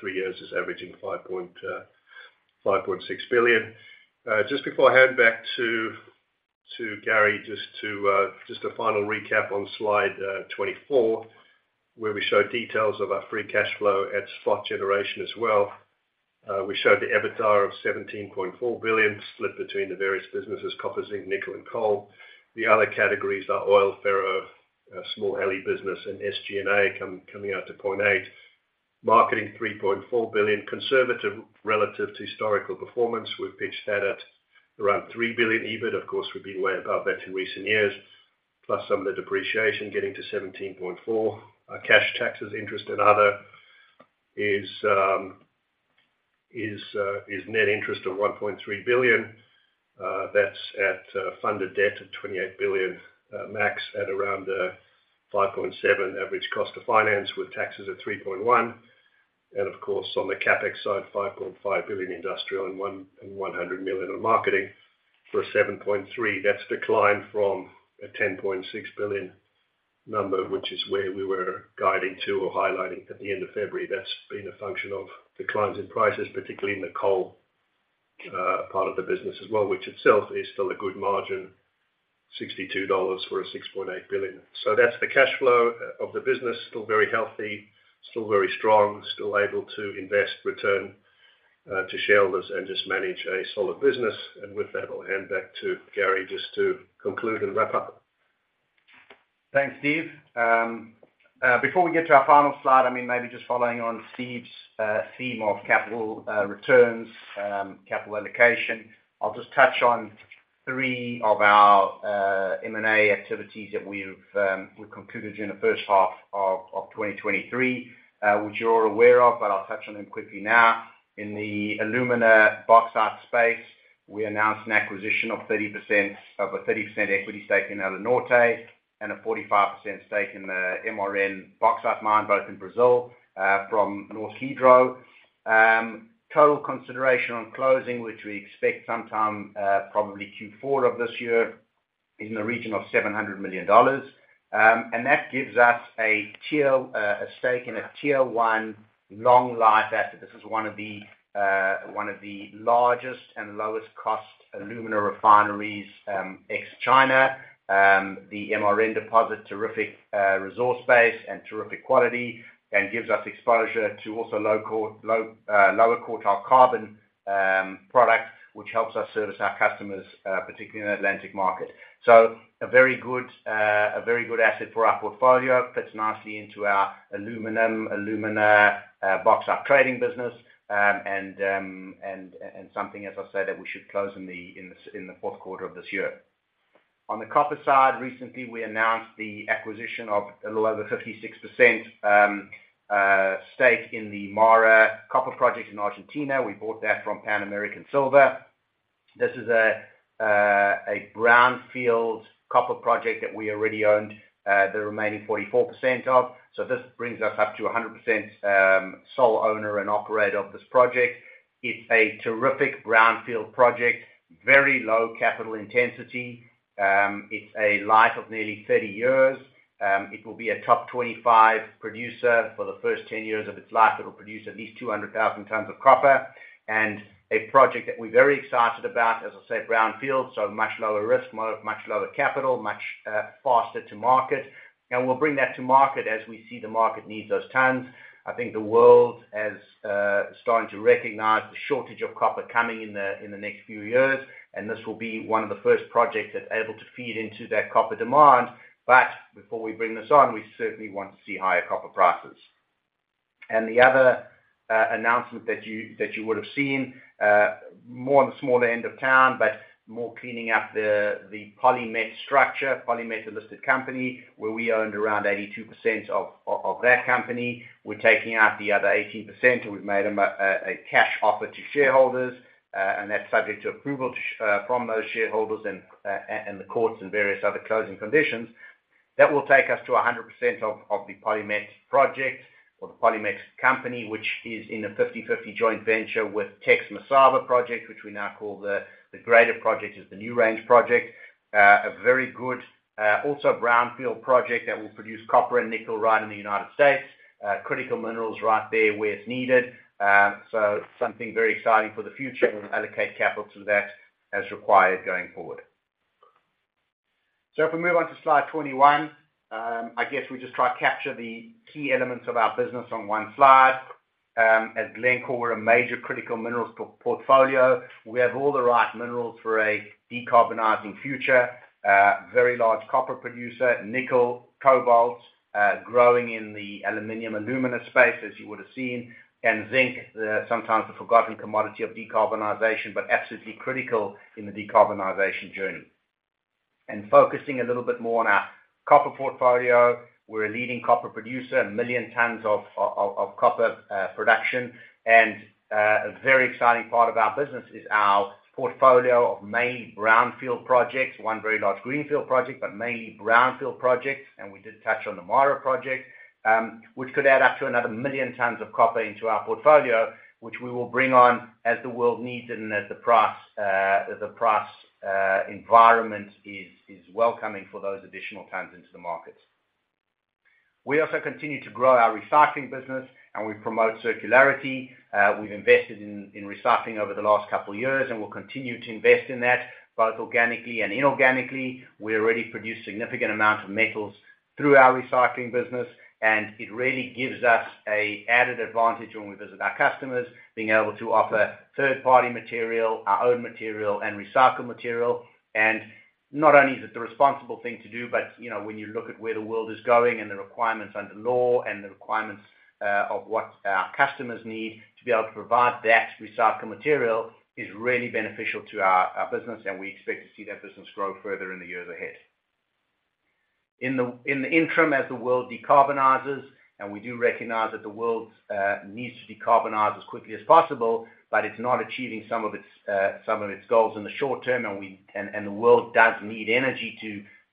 three years is averaging $5.6 billion. Just before I hand back to Gary, just a final recap on slide 24, where we show details of our free cash flow and spot generation as well. We showed the EBITDA of $17.4 billion split between the various businesses, copper, zinc, nickel, and coal. The other categories are oil, ferro, a small alloy business, and SG&A coming out to $0.8 billion. Marketing, $3.4 billion, conservative relative to historical performance. We've pitched that at around $3 billion EBIT, of course, we've been way above that in recent years, plus some of the depreciation getting to $17.4 billion. Our cash, taxes, interest and other is net interest of $1.3 billion. That's at funded debt of $28 billion max at around 5.7% average cost of finance, with taxes at $3.1 billion. Of course, on the CapEx side, $5.5 billion industrial and $100 million on marketing for a $7.3 billion. That's declined from a $10.6 billion number, which is where we were guiding to or highlighting at the end of February. That's been a function of declines in prices, particularly in the coal, part of the business as well, which itself is still a good margin, $62 for a $6.8 billion. That's the cash flow of the business, still very healthy, still very strong, still able to invest, return, to shareholders and just manage a solid business. With that, I'll hand back to Gary just to conclude and wrap up. Thanks, Steve. I mean, maybe just following on Steve's theme of capital returns, capital allocation, I'll just touch on three of our M&A activities that we've concluded during the first half of 2023. Which you're all aware of, but I'll touch on them quickly now. In the alumina bauxite space, we announced an acquisition of a 30% equity stake in Alunorte and a 45% stake in the MRN bauxite mine, both in Brazil, from Norsk Hydro. Total consideration on closing, which we expect sometime, probably Q4 of this year, is in the region of $700 million. And that gives us a stake in a Tier 1 long-life asset. This is one of the largest and lowest cost alumina refineries, ex-China. The MRN deposit, terrific resource base and terrific quality, and gives us exposure to also lower quartile carbon product, which helps us service our customers particularly in the Atlantic market. A very good asset for our portfolio. Fits nicely into our aluminum, alumina, bauxite trading business, and something, as I said, that we should close in the fourth quarter of this year. On the copper side, recently, we announced the acquisition of a little over 56% stake in the MARA copper project in Argentina. We bought that from Pan American Silver. This is a brownfield copper project that we already owned, the remaining 44% of. This brings us up to 100% sole owner and operator of this project. It's a terrific brownfield project, very low capital intensity. It's a life of nearly 30 years. It will be a top 25 producer for the first 10 years of its life. It will produce at least 200,000 tons of copper and a project that we're very excited about, as I said, brownfield, so much lower risk, much lower capital, much faster to market. We'll bring that to market as we see the market needs those tons. I think the world has started to recognize the shortage of copper coming in the, in the next few years, and this will be one of the first projects that's able to feed into that copper demand. Before we bring this on, we certainly want to see higher copper prices. The other announcement that you, that you would have seen, more on the smaller end of town, but more cleaning up the, the PolyMet structure, PolyMet, a listed company, where we owned around 82% of, of, of that company. We're taking out the other 18%, and we've made a cash offer to shareholders, and that's subject to approval to from those shareholders and the courts and various other closing conditions. That will take us to 100% of the PolyMet project or the PolyMet company, which is in a 50/50 joint venture with Teck's Masaba project, which we now call integraded project, is the NewRange project. A very good, also brownfield project that will produce copper and nickel right in the United States. Critical minerals right there where it's needed. Something very exciting for the future. We'll allocate capital to that as required going forward. If we move on to slide 21, I guess we just try to capture the key elements of our business on one slide. At Glencore, we're a major critical minerals portfolio. We have all the right minerals for a decarbonizing future, very large copper producer, nickel, cobalt, growing in the aluminum and alumina space, as you would have seen, and zinc, the sometimes the forgotten commodity of decarbonization, but absolutely critical in the decarbonization journey. Focusing a little bit more on our copper portfolio, we're a leading copper producer, 1 million tons of copper production. A very exciting part of our business is our portfolio of mainly brownfield projects, one very large greenfield project, but mainly brownfield projects, and we did touch on the MARA project, which could add up to another 1 million tons of copper into our portfolio, which we will bring on as the world needs and as the price environment is, is welcoming for those additional tons into the market. We also continue to grow our recycling business, and we promote circularity. We've invested in, in recycling over the last couple of years, and we'll continue to invest in that, both organically and inorganically. We already produce significant amounts of metals through our recycling business, and it really gives us a added advantage when we visit our customers, being able to offer third-party material, our own material, and recycled material. Not only is it the responsible thing to do, but, you know, when you look at where the world is going and the requirements under law and the requirements of what our customers need to be able to provide that recycled material is really beneficial to our business, and we expect to see that business grow further in the years ahead. In the interim, as the world decarbonizes, and we do recognize that the world needs to decarbonize as quickly as possible, but it's not achieving some of its goals in the short term, the world does need energy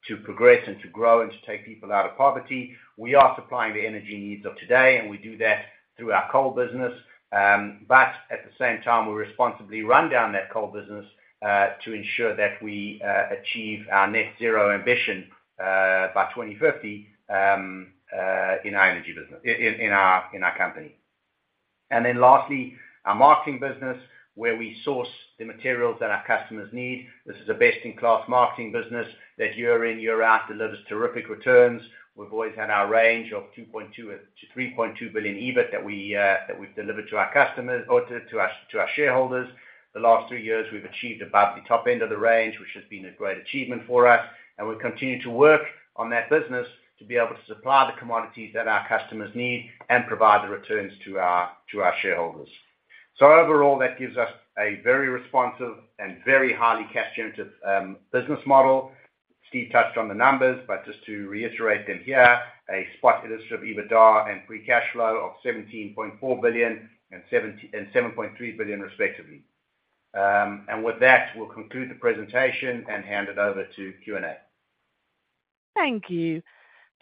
to progress and to grow and to take people out of poverty. We are supplying the energy needs of today, and we do that through our coal business. At the same time, we responsibly run down that coal business to ensure that we achieve our net zero ambition by 2050 in our energy business in our company. Then lastly, our marketing business, where we source the materials that our customers need. This is a best-in-class marketing business that year in, year out, delivers terrific returns. We've always had our range of $2.2 billion-$3.2 billion EBIT that we've delivered to our customers or to our shareholders. The last three years, we've achieved above the top end of the range, which has been a great achievement for us, and we continue to work on that business to be able to supply the commodities that our customers need and provide the returns to our shareholders. Overall, that gives us a very responsive and very highly cash-generative business model. Steve touched on the numbers, but just to reiterate them here, a spot illustrative EBITDA and free cash flow of $17.4 billion and $7.3 billion, respectively. With that, we'll conclude the presentation and hand it over to Q&A. Thank you.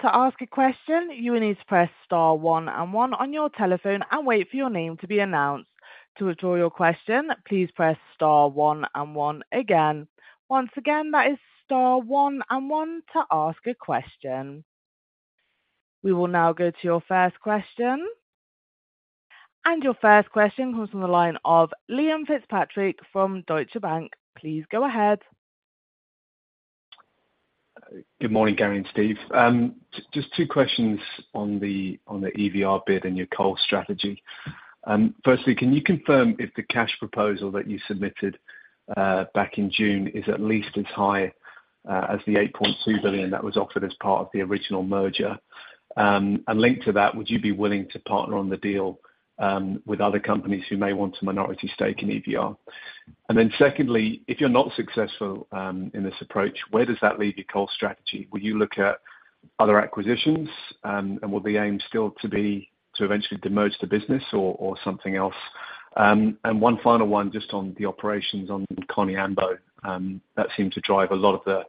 To ask a question, you will need to press star one and one on your telephone and wait for your name to be announced. To withdraw your question, please press star one and one again. Once again, that is star one and one to ask a question. We will now go to your first question. Your first question comes from the line of Liam Fitzpatrick from Deutsche Bank. Please go ahead. Good morning, Gary and Steve. Just two questions on the, on the EVR bid and your coal strategy. Firstly, can you confirm if the cash proposal that you submitted back in June is at least as high as the $8.2 billion that was offered as part of the original merger? Linked to that, would you be willing to partner on the deal with other companies who may want a minority stake in EVR? Secondly, if you're not successful in this approach, where does that leave your coal strategy? Will you look at other acquisitions? Will the aim still to be to eventually demerge the business or, or something else? One final one, just on the operations on Koniambo, that seemed to drive a lot of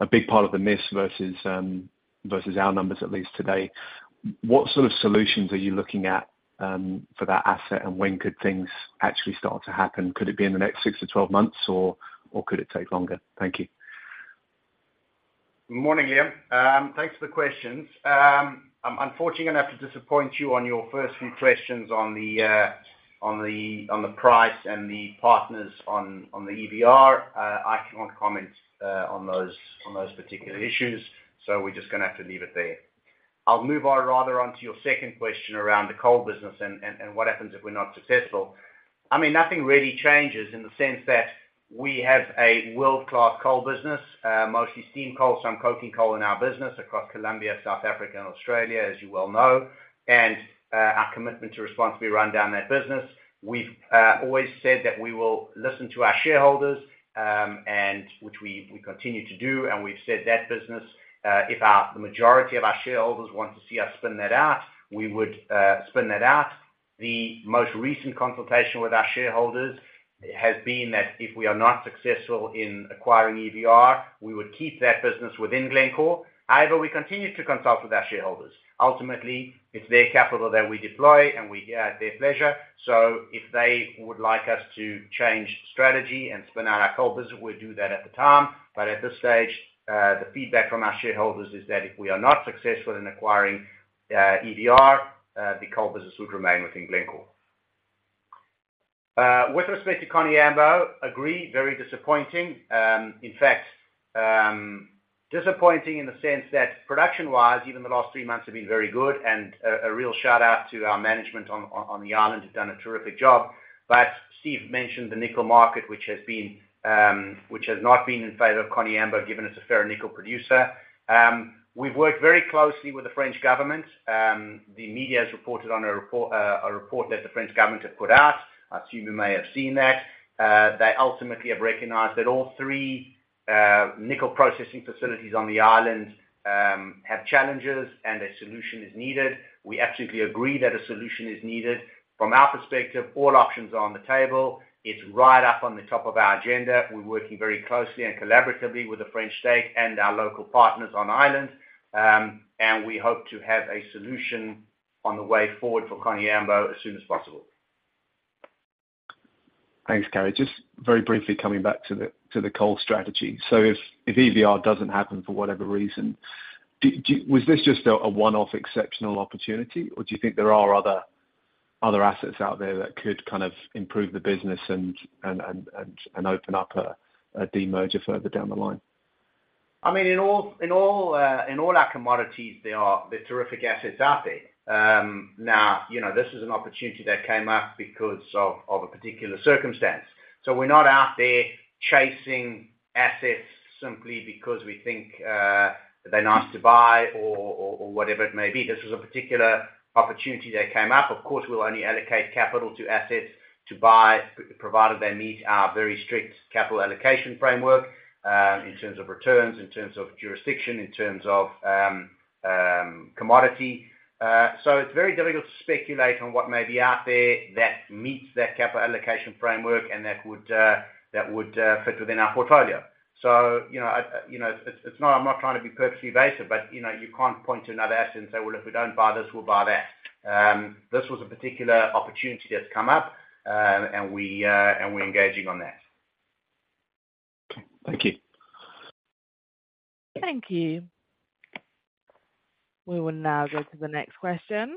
a big part of the miss versus our numbers, at least today. What sort of solutions are you looking at for that asset, and when could things actually start to happen? Could it be in the next six tto 12 months or could it take longer? Thank you. Morning, Liam. Thanks for the questions. I'm unfortunately, gonna have to disappoint you on your first few questions on the, on the price and the partners on the EVR. I can't comment on those, on those particular issues, so we're just gonna have to leave it there. I'll move on rather onto your second question around the coal business and what happens if we're not successful. I mean, nothing really changes in the sense that we have a world-class coal business, mostly steam coal, some coking coal in our business across Colombia, South Africa, and Australia, as you well know, and our commitment to responsibly run down that business. We've always said that we will listen to our shareholders, and which we continue to do. We've said that business, if our, the majority of our shareholders want to see us spin that out, we would spin that out. The most recent consultation with our shareholders has been that if we are not successful in acquiring EVR, we would keep that business within Glencore. We continue to consult with our shareholders. Ultimately, it's their capital that we deploy, and we here at their pleasure. If they would like us to change strategy and spin out our coal business, we'll do that at the time. At this stage, the feedback from our shareholders is that if we are not successful in acquiring EVR, the coal business would remain within Glencore. With respect to Koniambo, agree, very disappointing. In fact, disappointing in the sense that production-wise, even the last three months have been very good, and a real shout-out to our management on the island, have done a terrific job. Steve mentioned the nickel market, which has been, which has not been in favor of Koniambo, given it's a fair nickel producer. We've worked very closely with the French government. The media has reported on a report, a report that the French government have put out. I assume you may have seen that. They ultimately have recognized that all three nickel processing facilities on the island have challenges and a solution is needed. We absolutely agree that a solution is needed. From our perspective, all options are on the table. It's right up on the top of our agenda. We're working very closely and collaboratively with the French stake and our local partners on the island, and we hope to have a solution on the way forward for Koniambo as soon as possible. Thanks, Gary. Just very briefly coming back to the, to the coal strategy. If EVR doesn't happen for whatever reason, do was this just a one-off exceptional opportunity, or do you think there are other assets out there that could kind of improve the business and open up a demerger further down the line? I mean in all our commodities, there are terrific assets out there. Now, you know, this is an opportunity that came up because of a particular circumstance. We're not out there chasing assets simply because we think, they're nice to buy or whatever it may be. This was a particular opportunity that came up. Of course, we'll only allocate capital to assets to buy, provided they meet our very strict capital allocation framework, in terms of returns, in terms of jurisdiction, in terms of commodity. It's very difficult to speculate on what may be out there that meets that capital allocation framework and that would, that would, fit within our portfolio. You know, it's, it's not I'm not trying to be purposely evasive, but, you know, you can't point to another asset and say, "Well, if we don't buy this, we'll buy that." This was a particular opportunity that's come up, and we, and we're engaging on that. Okay. Thank you. Thank you. We will now go to the next question.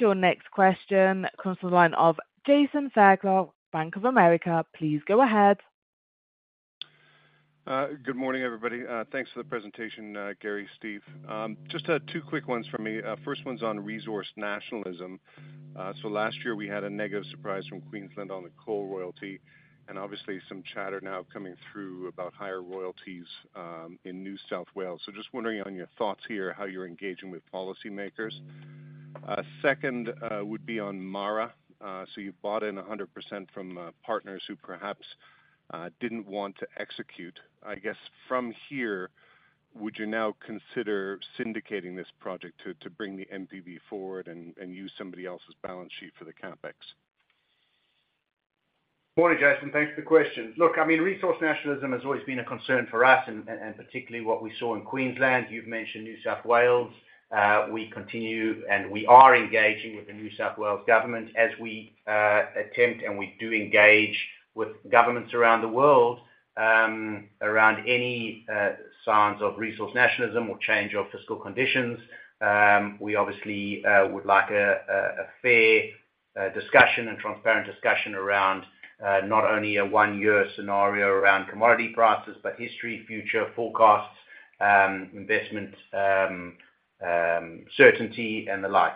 Your next question comes from the line of Jason Fairclough, Bank of America. Please go ahead. Good morning, everybody. Thanks for the presentation, Gary, Steve. Just two quick ones from me. First one's on resource nationalism. Last year we had a negative surprise from Queensland on the coal royalty, and obviously some chatter now coming through about higher royalties in New South Wales. Just wondering on your thoughts here, how you're engaging with policymakers. Second would be on MARA. You've bought in 100% from partners who perhaps didn't want to execute. I guess from here, would you now consider syndicating this project to bring the NPV forward and use somebody else's balance sheet for the CapEx? Morning, Jason. Thanks for the question. Look, I mean, resource nationalism has always been a concern for us, and particularly what we saw in Queensland. You've mentioned New South Wales. We continue and we are engaging with the New South Wales government as we attempt, and we do engage with governments around the world, around any signs of resource nationalism or change of fiscal conditions. We obviously would like a fair discussion and transparent discussion around not only a one-year scenario around commodity prices, but history, future forecasts, investment, certainty and the like.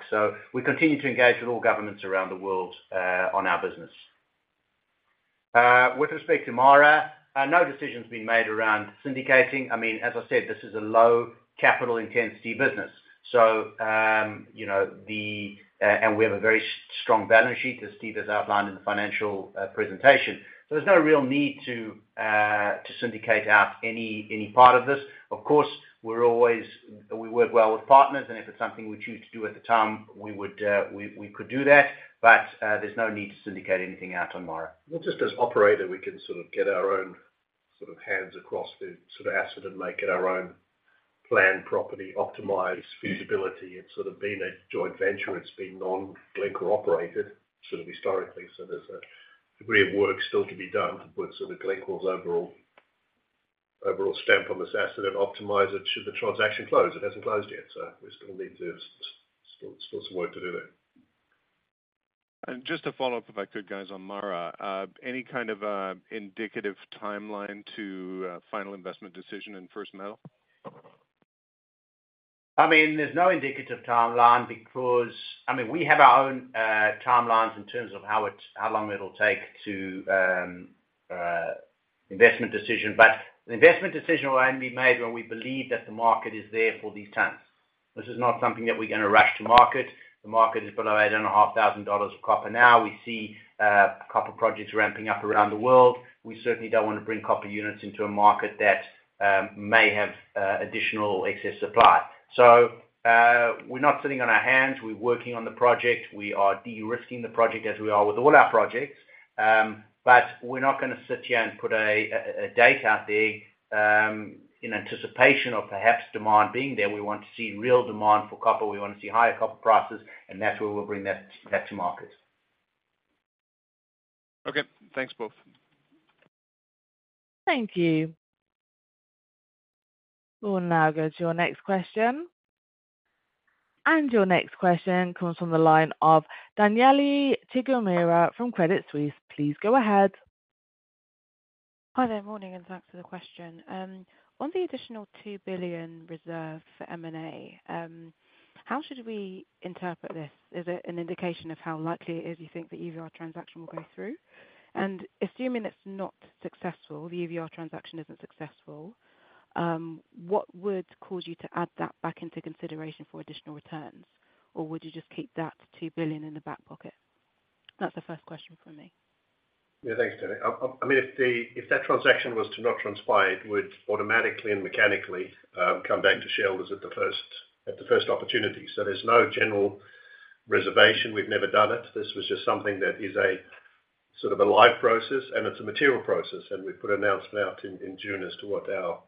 We continue to engage with all governments around the world, on our business. With respect to MARA, no decision's been made around syndicating. I mean, as I said, this is a low capital intensity business. You know, we have a very strong balance sheet, as Steve has outlined in the financial presentation. There's no real need to syndicate out any part of this. Of course, we're always, we work well with partners, and if it's something we choose to do at the time we could do that, but there's no need to syndicate anything out on MARA. Well, just as operator, we can sort of get our own sort of hands across the sort of asset and make it our own planned property, optimize feasibility. It's sort of been a joint venture. It's been non-Glencore operated, sort of historically, so there's a degree of work still to be done to put sort of Glencore's overall stamp on this asset and optimize it should the transaction close. It hasn't closed yet, so there's still a need to, still, still some work to do there. Just to follow up, if I could, guys, on MARA. Any kind of a indicative timeline to final investment decision and first metal? I mean, there's no indicative timeline because, I mean, we have our own timelines in terms of how it's, how long it'll take to investment decision. The investment decision will only be made when we believe that the market is there for these terms. This is not something that we're gonna rush to market. The market is below $8,500 of copper now. We see copper projects ramping up around the world. We certainly don't want to bring copper units into a market that may have additional excess supply. We're not sitting on our hands. We're working on the project. We are de-risking the project as we are with all our projects, but we're not gonna sit here and put a date out there in anticipation of perhaps demand being there. We want to see real demand for copper. We want to see higher copper prices. That's where we'll bring that, that to market. Okay. Thanks, both. Thank you. We'll now go to your next question. Your next question comes from the line of Danielle Chigumira from Credit Suisse. Please go ahead. Hi there, morning, and thanks for the question. On the additional $2 billion reserve for M&A, how should we interpret this? Is it an indication of how likely it is you think the EVR transaction will go through? Assuming it's not successful, the EVR transaction isn't successful, what would cause you to add that back into consideration for additional returns, or would you just keep that $2 billion in the back pocket? That's the first question from me. Yeah, thanks, Danielle. I mean, if that transaction was to not transpire, it would automatically and mechanically come back to shareholders at the first, at the first opportunity. There's no general reservation. We've never done it. This was just something that is a sort of a live process, and it's a material process, and we put an announcement out in June as to what our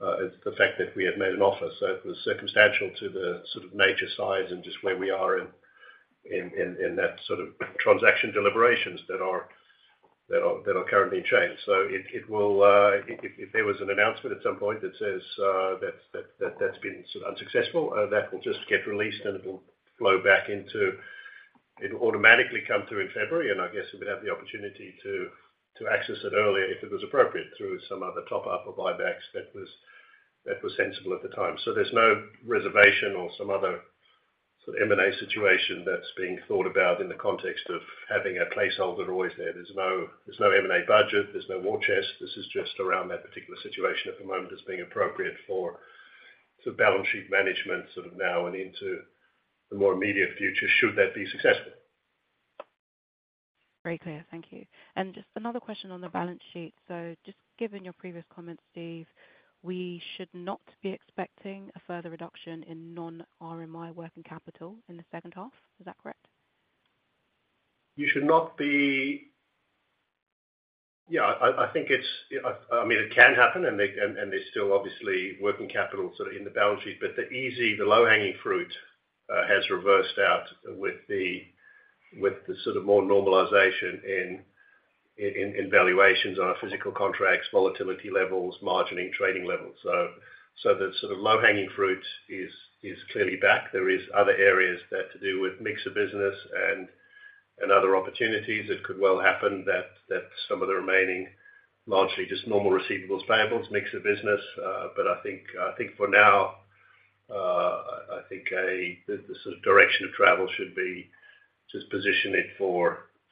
the fact that we had made an offer. It was circumstantial to the sort of major size and just where we are in that sort of transaction deliberations that are currently in change. It will-- if there was an announcement at some point that says that, that's been sort of unsuccessful, that will just get released, and it will flow back into. It'll automatically come through in February, and I guess we'd have the opportunity to access it earlier, if it was appropriate, through some other top-up or buybacks that was sensible at the time. There's no reservation or some other sort of M&A situation that's being thought about in the context of having a placeholder always there. There's no M&A budget, there's no war chest. This is just around that particular situation at the moment as being appropriate for sort of balance sheet management sort of now and into the more immediate future, should that be successful. Very clear. Thank you. Just another question on the balance sheet. Just given your previous comments, Steve, we should not be expecting a further reduction in non-RMI working capital in the second half. Is that correct? You should not be-- Yeah, I think it's-- I mean, it can happen and there's still obviously working capital sort of in the balance sheet, but the easy, the low-hanging fruit has reversed out with the, with the sort of more normalization in valuations on our physical contracts, volatility levels, margining trading levels. The sort of low-hanging fruit is clearly back. There is other areas that to do with mix of business and other opportunities that could well happen that some of the remaining, largely just normal receivables, payables, mix of business. I think for now, I think the sort of direction of travel should be just position it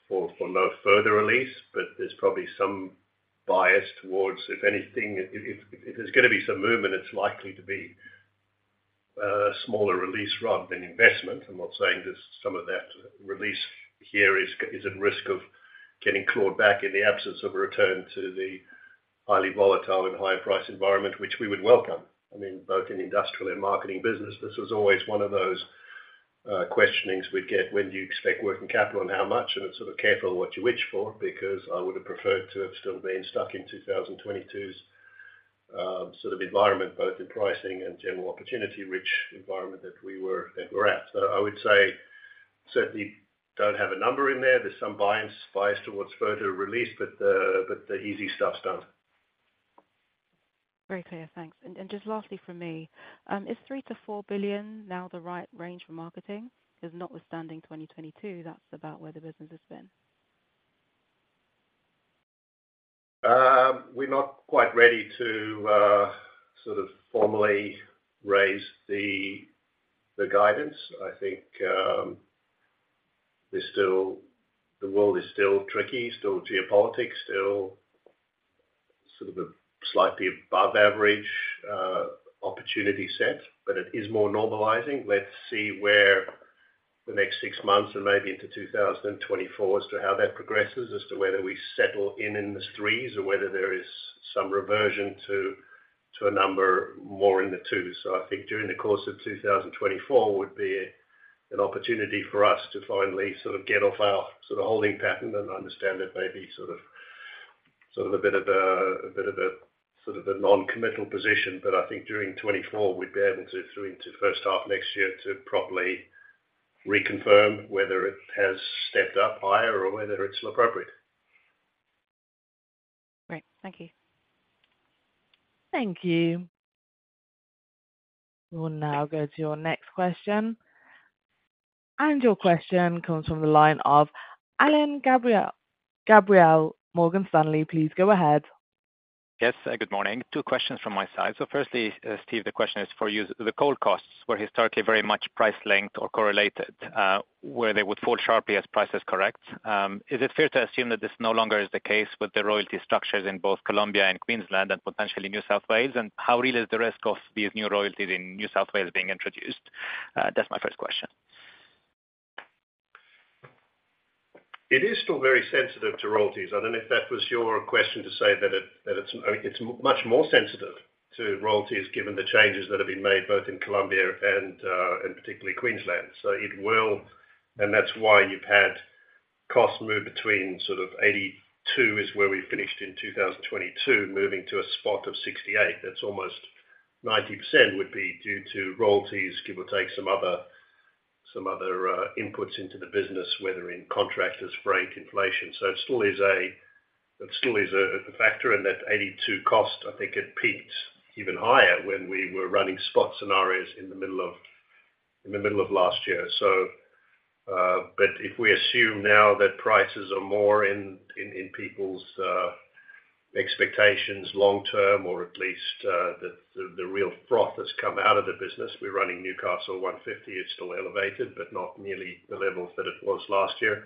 for no further release, but there's probably some bias towards, if anything, if there's gonna be some movement, it's likely to be, a smaller release rather than investment. I'm not saying just some of that release here is at risk of getting clawed back in the absence of a return to the highly volatile and high price environment, which we would welcome. I mean, both in industrial and marketing business, this was always one of those, questionings we'd get: When do you expect working capital and how much? It's sort of careful what you wish for, because I would have preferred to have still been stuck in 2022's, sort of environment, both in pricing and general opportunity-rich environment that we were- that we're at. I would say, certainly don't have a number in there. There's some bias, bias towards further release but the easy stuff's done. Very clear. Thanks. Just lastly from me, is $3 billion-$4 billion now the right range for marketing? Notwithstanding 2022, that's about where the business has been. We're not quite ready to sort of formally raise the guidance. I think, there's still the world is still tricky, still geopolitics, still sort of a slightly above average opportunity set, but it is more normalizing. Let's see where the next six months and maybe into 2024 as to how that progresses, as to whether we settle in in the $3 billion, or whether there is some reversion to a number more in the $2 billion. I think during the course of 2024 would be an opportunity for us to finally sort of get off our sort of holding pattern, and I understand it may be a bit of a non-committal position. I think during 2024, we'd be able to, through into first half 2024, to properly reconfirm whether it has stepped up higher or whether it's still appropriate. Great. Thank you. Thank you. We'll now go to your next question. Your question comes from the line of Alain Gabriel, Morgan Stanley. Please go ahead. Yes, good morning. Two questions from my side. Firstly, Steve, the question is for you. The coal costs were historically very much price linked or correlated, where they would fall sharply as prices correct. Is it fair to assume that this no longer is the case with the royalty structures in both Colombia and Queensland and potentially New South Wales? How real is the risk of these new royalties in New South Wales being introduced? That's my first question. It is still very sensitive to royalties. I don't know if that was your question, to say that it's much more sensitive to royalties, given the changes that have been made, both in Colombia and particularly Queensland. That's why you've had costs move between, sort of $82, is where we finished in 2022, moving to a spot of $68. That's almost 90% would be due to royalties, give or take some other inputs into the business, whether in contractors, freight inflation. It still is a factor in that $82 cost. I think it peaked even higher when we were running spot scenarios in the middle of last year. If we assume now that prices are more in people's expectations long term, or at least the real froth has come out of the business, we're running Newcastle $150. It's still elevated, but not nearly the levels that it was last year.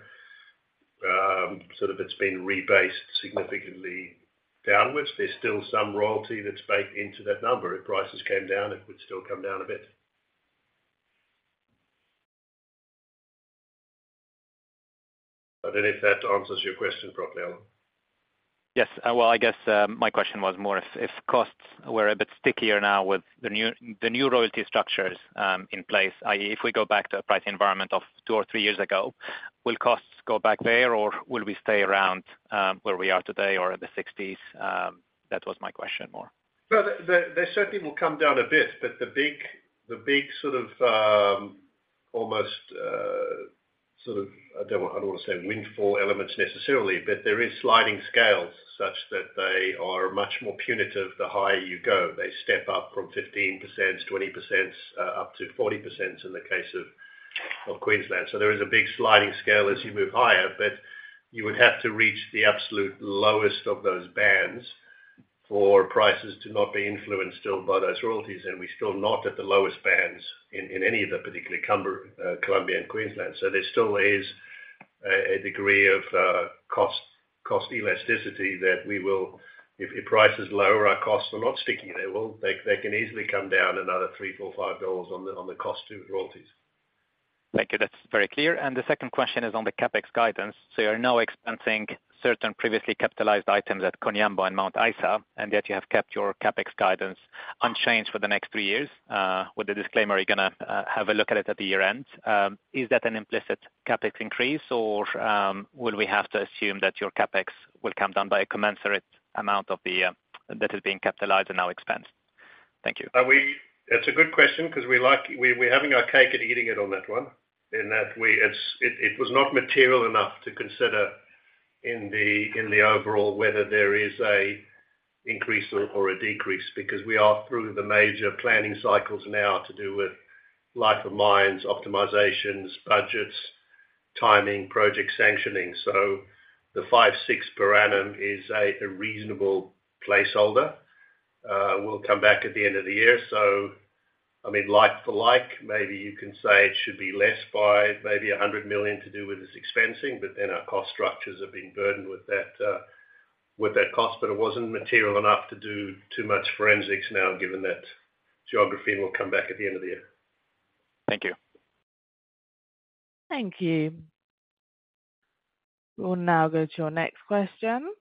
Sort of it's been rebased significantly downwards. There's still some royalty that's baked into that number. If prices came down, it would still come down a bit. I don't know if that answers your question properly, Alain? Yes. Well, I guess, my question was more if, if costs were a bit stickier now with the new, the new royalty structures, in place, i.e., if we go back to a price environment of two or three years ago, will costs go back there, or will we stay around, where we are today or in the $60s? That was my question more. Well, they certainly will come down a bit, but the big sort of, almost, sort of, I don't wanna say windfall elements necessarily, but there is sliding scales such that they are much more punitive the higher you go. They step up from 15%, 20%, up to 40% in the case of Queensland. There is a big sliding scale as you move higher, but you would have to reach the absolute lowest of those bands for prices to not be influenced still by those royalties. We're still not at the lowest bands in, in any of the particular Colombia and Queensland. There still is a degree of cost elasticity that we will. If prices lower, our costs are not sticky. They can easily come down another $3, $4, $5 on the cost to royalties. Thank you. That's very clear. The second question is on the CapEx guidance. You are now expensing certain previously capitalized items at Koniambo and Mount Isa, and yet you have kept your CapEx guidance unchanged for the next three years, with the disclaimer, you're gonna have a look at it at the year-end. Is that an implicit CapEx increase, or will we have to assume that your CapEx will come down by a commensurate amount of the that is being capitalized and now expensed? Thank you. It's a good question 'cause we, we're having our cake and eating it on that one, in that it was not material enough to consider in the overall whether there is an increase or a decrease, because we are through the major planning cycles now to do with life of mines, optimizations, budgets, timing, project sanctioning. The $5.6 billion per annum is a reasonable placeholder. We'll come back at the end of the year. I mean, like-for-like, maybe you can say it should be less by maybe $100 million to do with this expensing, but then our cost structures have been burdened with that cost. But it wasn't material enough to do too much forensics now, given that geography, and we'll come back at the end of the year. Thank you. Thank you. We'll now go to your next question.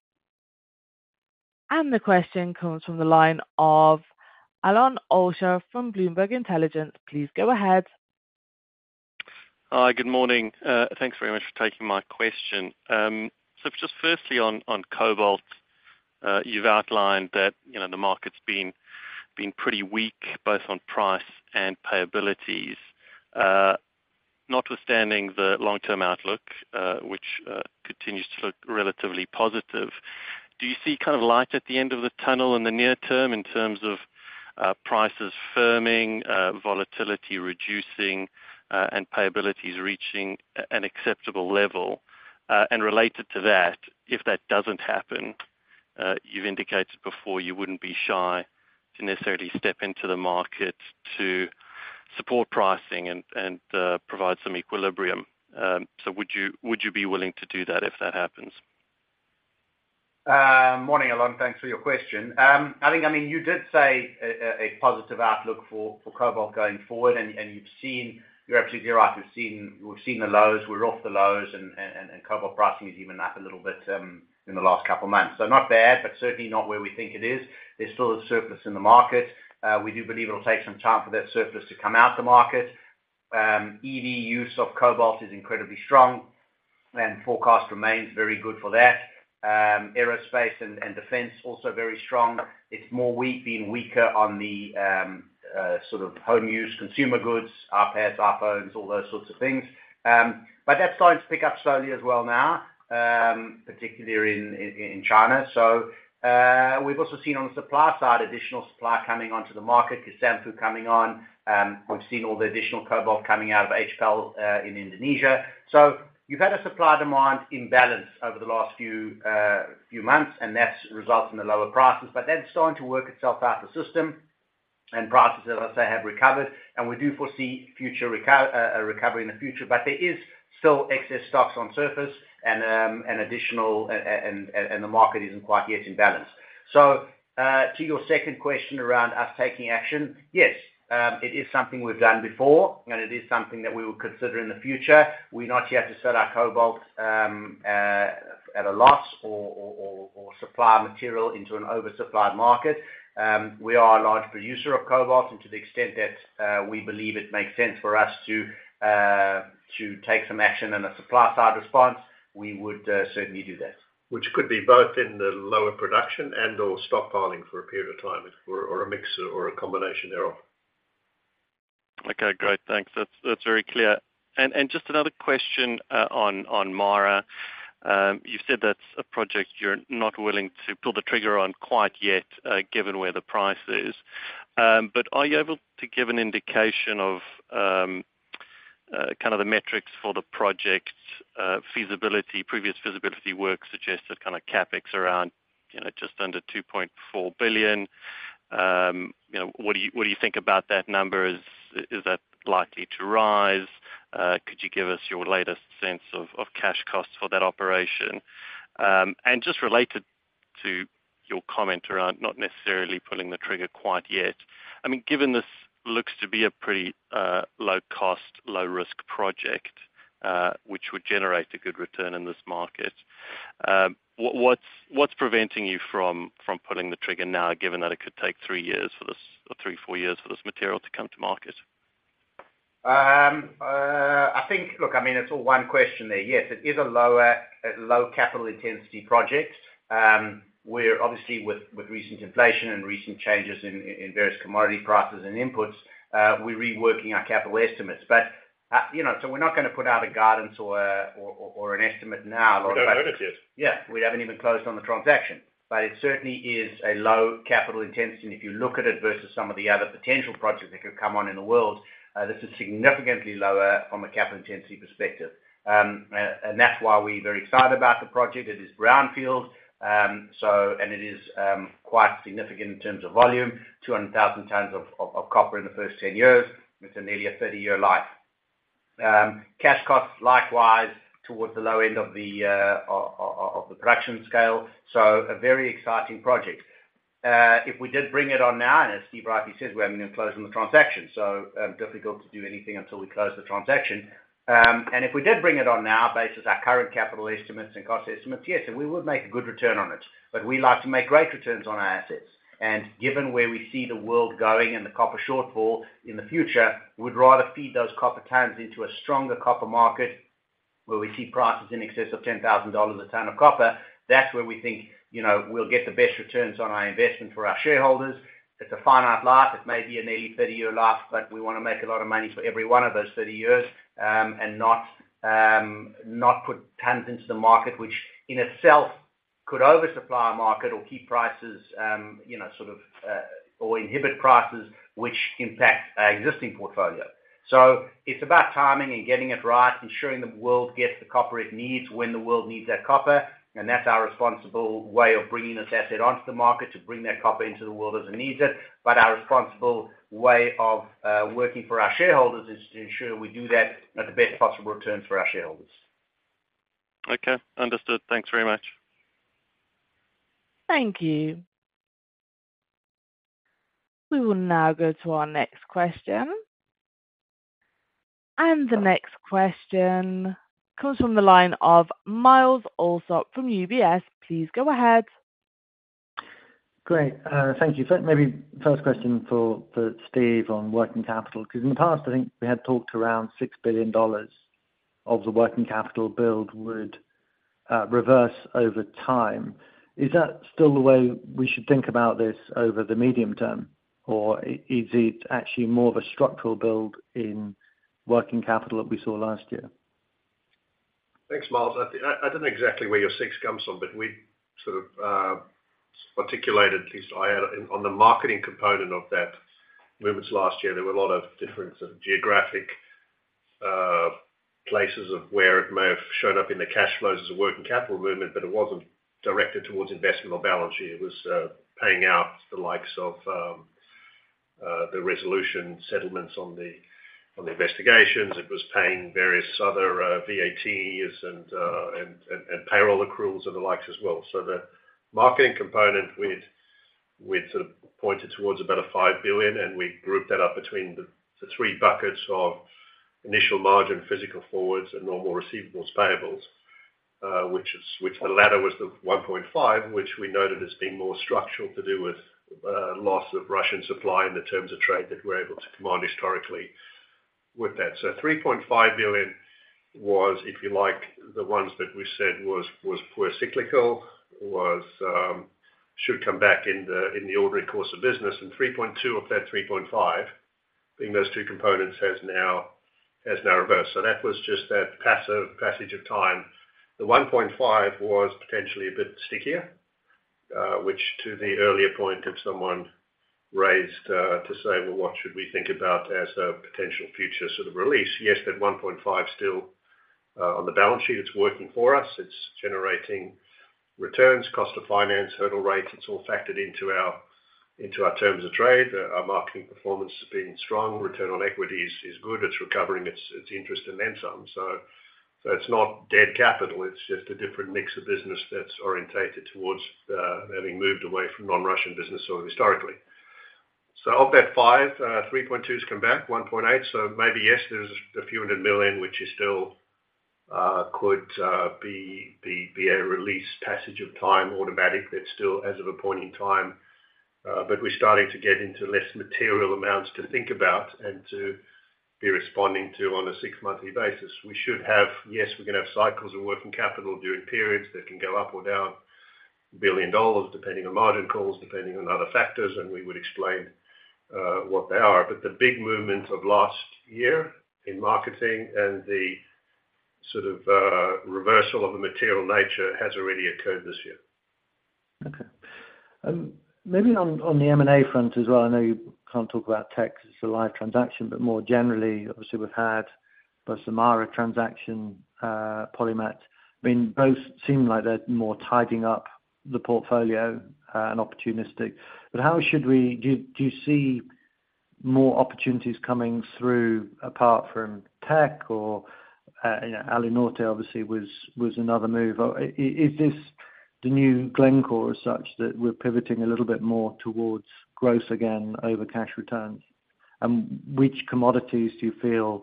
The question comes from the line of Alon Olsha from Bloomberg Intelligence. Please go ahead. Hi, good morning. Thanks very much for taking my question. Just firstly on, on cobalt, you've outlined that, you know, the market's been, been pretty weak, both on price and payabilities. Notwithstanding the long-term outlook, which continues to look relatively positive, do you see kind of light at the end of the tunnel in the near term in terms of prices firming, volatility reducing, and payabilities reaching an acceptable level? Related to that, if that doesn't happen, you've indicated before you wouldn't be shy to necessarily step into the market to support pricing and, and, provide some equilibrium. Would you, would you be willing to do that if that happens? Morning, Alon. Thanks for your question. I think, I mean, you did say a positive outlook for cobalt going forward and you've seen. You're absolutely right. We've seen the lows, we're off the lows and cobalt pricing is even up a little bit in the last couple of months. Not bad, but certainly not where we think it is. There's still a surplus in the market. We do believe it'll take some time for that surplus to come out the market. EV use of cobalt is incredibly strong, and forecast remains very good for that. Aerospace and, and defense, also very strong. It's more weak, been weaker on the sort of home use, consumer goods, iPads, iPhones, all those sorts of things. That's starting to pick up slowly as well now, particularly in China. We've also seen on the supply side, additional supply coming onto the market, Kisanfu coming on. We've seen all the additional cobalt coming out of HPAL in Indonesia. You've had a supply-demand imbalance over the last few months, and that's resulted in the lower prices, but that's starting to work itself out the system, and prices, as I say, have recovered. We do foresee future a recovery in the future, but there is still excess stocks on surface and additional and, and the market isn't quite yet in balance. To your second question around us taking action, yes, it is something we've done before, and it is something that we will consider in the future. We're not here to sell our cobalt at a loss or supply material into an oversupplied market. We are a large producer of cobalt, and to the extent that we believe it makes sense for us to to take some action in a supply side response, we would certainly do that. Which could be both in the lower production and/or stockpiling for a period of time or a mix or a combination thereof. Okay, great. Thanks. That's very clear. Just another question on MARA. You've said that's a project you're not willing to pull the trigger on quite yet, given where the price is. Are you able to give an indication of, kind of the metrics for the project's feasibility? Previous feasibility work suggested kind of CapEx around, you know, just under $2.4 billion. You know, what do you think about that number? Is that likely to rise? Could you give us your latest sense of cash costs for that operation? Just related to your comment around not necessarily pulling the trigger quite yet, I mean, given this looks to be a pretty low cost, low risk project, which would generate a good return in this market, what's preventing you from pulling the trigger now, given that it could take three, four years for this material to come to market? I think, Look, I mean, it's all one question there. Yes, it is a lower, low capital intensity project. We're obviously, with recent inflation and recent changes in various commodity prices and inputs, we're reworking our capital estimates. You know, we're not gonna put out a guidance or an estimate now— We don't own it yet. Yeah, we haven't even closed on the transaction. It certainly is a low capital intensity. If you look at it versus some of the other potential projects that could come on in the world, this is significantly lower from a capital intensity perspective. That's why we're very excited about the project. It is brownfield, so, and it is quite significant in terms of volume, 200,000 tons of copper in the first 10 years. It's a nearly a 30-year life. Cash costs, likewise, towards the low end of the production scale, so a very exciting project. If we did bring it on now, and as Steve rightly says, we haven't even closed on the transaction, so difficult to do anything until we close the transaction. If we did bring it on now, based on our current capital estimates and cost estimates, yes, and we would make a good return on it. We like to make great returns on our assets, and given where we see the world going and the copper shortfall in the future, we'd rather feed those copper tons into a stronger copper market, where we see prices in excess of $10,000 a ton of copper. That's where we think, you know, we'll get the best returns on our investment for our shareholders. It's a finite life. It may be a nearly 30-year life, but we wanna make a lot of money for every one of those 30 years, and not not put tons into the market, which in itself could oversupply a market or keep prices, you know, sort of, or inhibit prices, which impact our existing portfolio. It's about timing and getting it right, ensuring the world gets the copper it needs, when the world needs that copper. That's our responsible way of bringing this asset onto the market, to bring that copper into the world as it needs it. Our responsible way of working for our shareholders is to ensure we do that at the best possible return for our shareholders. Okay, understood. Thanks very much. Thank you. We will now go to our next question. The next question comes from the line of Myles Allsop from UBS. Please go ahead. Great, thank you. Maybe first question for, for Steve on working capital, because in the past, I think we had talked around $6 billion of the working capital build would reverse over time. Is that still the way we should think about this over the medium term, or is it actually more of a structural build in working capital that we saw last year? Thanks, Myles. I, I don't know exactly where your $6 billion comes from, but we sort of articulated, at least I had, on the marketing component of that movements last year, there were a lot of different sort of geographic places of where it may have shown up in the cash flows as a working capital movement, but it wasn't directed towards investment or balance sheet. It was paying out the likes of the resolution settlements on the investigations. It was paying various other VATs and, and, and payroll accruals and the likes as well. The marketing component, we'd sort of pointed towards about $5 billion, and we grouped that up between the three buckets of initial margin, physical forwards, and normal receivables, payables, which the latter was the $1.5 billion, which we noted as being more structural to do with loss of Russian supply and the terms of trade that we're able to command historically with that. The $3.5 billion was, if you like, the ones that we said was more cyclical, should come back in the ordinary course of business, and $3.2 billion of that $3.5 billion, being those two components, has now reversed. That was just that passive passage of time. The $1.5 was potentially a bit stickier, which to the earlier point that someone raised, to say, "Well, what should we think about as a potential future sort of release?" Yes, that $1.5 is still on the balance sheet. It's working for us. It's generating returns, cost of finance, hurdle rates, it's all factored into our terms of trade. Our marketing performance has been strong. Return on equity is good. It's recovering its interest and then some. It's not dead capital, it's just a different mix of business that's orientated towards having moved away from non-Russian business sort of historically. Of that $5 billion, $3.2 billion has come back, $1.8 billion. Maybe, yes, there's a few hundred million, which is still, could be a release passage of time, automatic. That's still as of a point in time. But we're starting to get into less material amounts to think about and to be responding to on a six-monthly basis. We should have. Yes, we're gonna have cycles of working capital during periods that can go up or down billion dollars, depending on margin calls, depending on other factors, and we would explain, what they are. The big movement of last year in marketing and the sort of, reversal of the material nature has already occurred this year. Okay. Maybe on the M&A front as well, I know you can't talk about Teck, it's a live transaction, but more generally, obviously, we've had the MARA transaction, PolyMet. I mean, both seem like they're more tidying up the portfolio, and opportunistic. Do you see more opportunities coming through, apart from Teck or, you know, Alunorte obviously was, was another move? Is this the new Glencore as such, that we're pivoting a little bit more towards growth again over cash returns? Which commodities do you feel,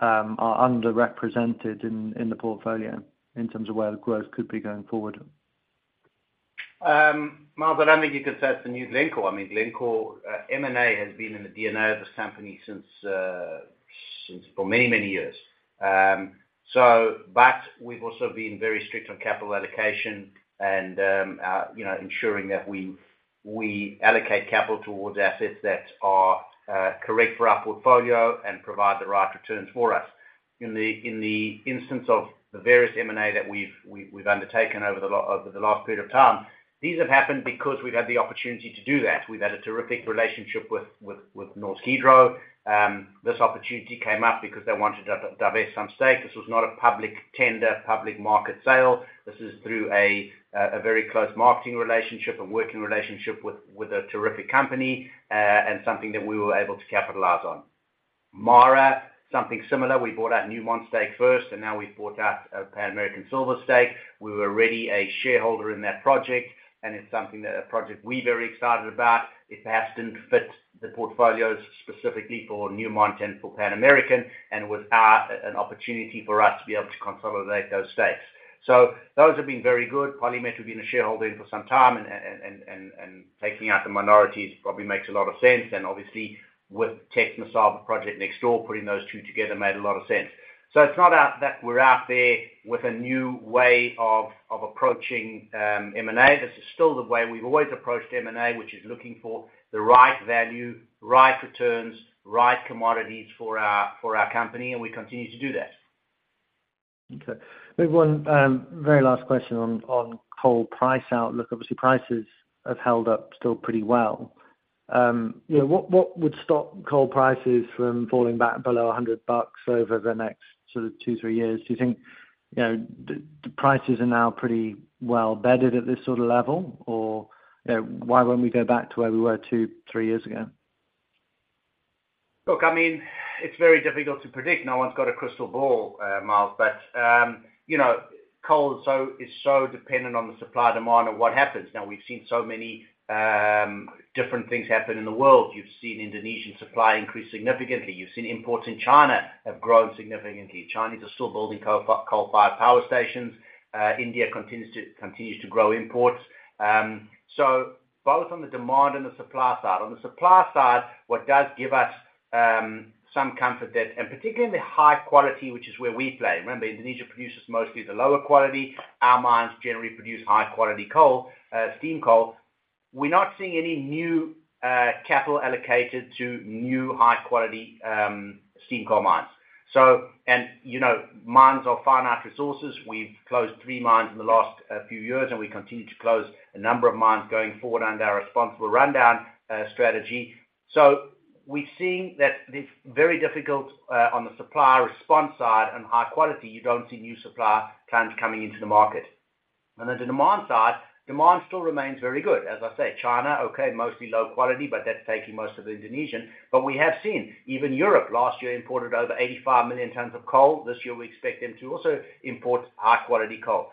are underrepresented in, in the portfolio in terms of where the growth could be going forward? Myles, I don't think you could say it's the new Glencore. I mean, Glencore, M&A has been in the DNA of this company since for many, many years. We've also been very strict on capital allocation and, you know, ensuring that we, we allocate capital towards assets that are correct for our portfolio and provide the right returns for us. In the instance of the various M&A that we've undertaken over the last period of time, these have happened because we've had the opportunity to do that. We've had a terrific relationship with Norsk Hydro. This opportunity came up because they wanted to divest some stakes. This was not a public tender, public market sale. This is through a very close marketing relationship and working relationship with, with a terrific company, and something that we were able to capitalize on. MARA, something similar, we bought out Newmont's stake first, and now we've bought out Pan American Silver's stake. We were already a shareholder in that project, and it's something that, a project we're very excited about. It perhaps didn't fit the portfolios specifically for Newmont and for Pan American, and was an opportunity for us to be able to consolidate those stakes. Those have been very good. PolyMet we've been a shareholder in for some time, and taking out the minorities probably makes a lot of sense. Obviously, with Teck's Mesaba project next door, putting those two together made a lot of sense. It's not that, that we're out there with a new way of approaching M&A. This is still the way we've always approached M&A, which is looking for the right value, right returns, right commodities for our company, and we continue to do that. Okay. Maybe one, very last question on coal price outlook. Obviously, prices have held up still pretty well. you know, what would stop coal prices from falling back below $100 over the next sort of two, three years? Do you think, you know, the prices are now pretty well bedded at this sort of level? you know, why wouldn't we go back to where we were two, three years ago? Look, I mean, it's very difficult to predict. No one's got a crystal ball, Myles. You know, coal is so, is so dependent on the supply, demand, and what happens. Now, we've seen so many different things happen in the world. You've seen Indonesian supply increase significantly. You've seen imports in China have grown significantly. Chinese are still building coal-fired power stations. India continues to, continues to grow imports. Both on the demand and the supply side. On the supply side, what does give us some comfort that, and particularly in the high quality, which is where we play. Remember, Indonesia produces mostly the lower quality. Our mines generally produce high quality coal, steam coal. We're not seeing any new capital allocated to new high quality steam coal mines. You know, mines are finite resources. We've closed three mines in the last few years. We continue to close a number of mines going forward under our responsible rundown strategy. We've seen that it's very difficult on the supply response side and high quality, you don't see new supply plans coming into the market. On the demand side, demand still remains very good. As I say, China, okay, mostly low quality, but that's taking most of the Indonesian. We have seen even Europe last year imported over 85 million tons of coal. This year, we expect them to also import high-quality coal.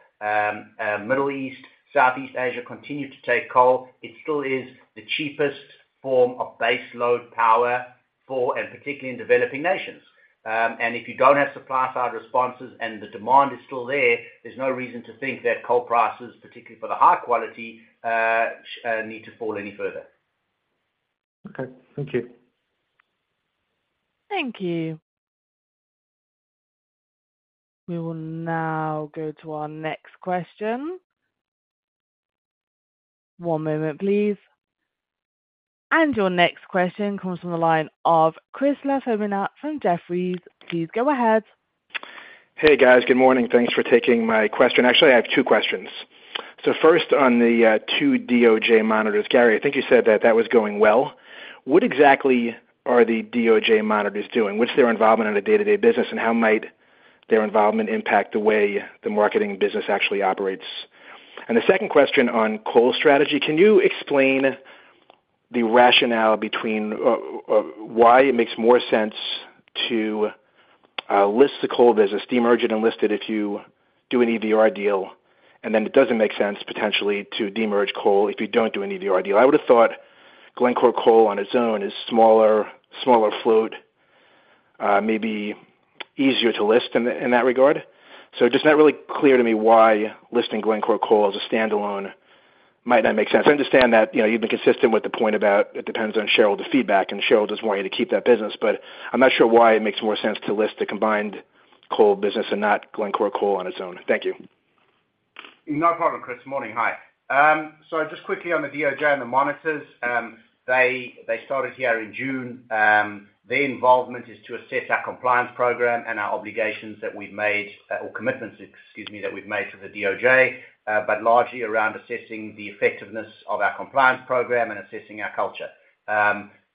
Middle East, Southeast Asia, continue to take coal. It still is the cheapest form of base load power and particularly in developing nations. If you don't have supply side responses and the demand is still there, there's no reason to think that coal prices, particularly for the high quality, need to fall any further. Okay, thank you. Thank you. We will now go to our next question. One moment, please. Your next question comes from the line of Chris LaFemina from Jefferies. Please go ahead. Hey, guys. Good morning. Thanks for taking my question. Actually, I have two questions. First, on the two DOJ monitors. Gary, I think you said that that was going well. What exactly are the DOJ monitors doing? What's their involvement on a day-to-day business, and how might their involvement impact the way the marketing business actually operates? The second question on coal strategy: Can you explain the rationale between why it makes more sense to list the coal business, demerge it and list it, if you do an EVR deal, and then it doesn't make sense potentially to demerge coal if you don't do an EVR deal? I would have thought Glencore Coal on its own is smaller, smaller float, maybe easier to list in, in that regard. Just not really clear to me why listing Glencore Coal as a standalone might not make sense. I understand that, you know, you've been consistent with the point about it depends on shareholder feedback, and shareholders want you to keep that business, but I'm not sure why it makes more sense to list the coal business and not Glencore Coal on its own? Thank you. No problem, Chris. Morning. Hi. Just quickly on the DOJ and the monitors, they, they started here in June. Their involvement is to assess our compliance program and our obligations that we've made, or commitments, excuse me, that we've made to the DOJ, but largely around assessing the effectiveness of our compliance program and assessing our culture.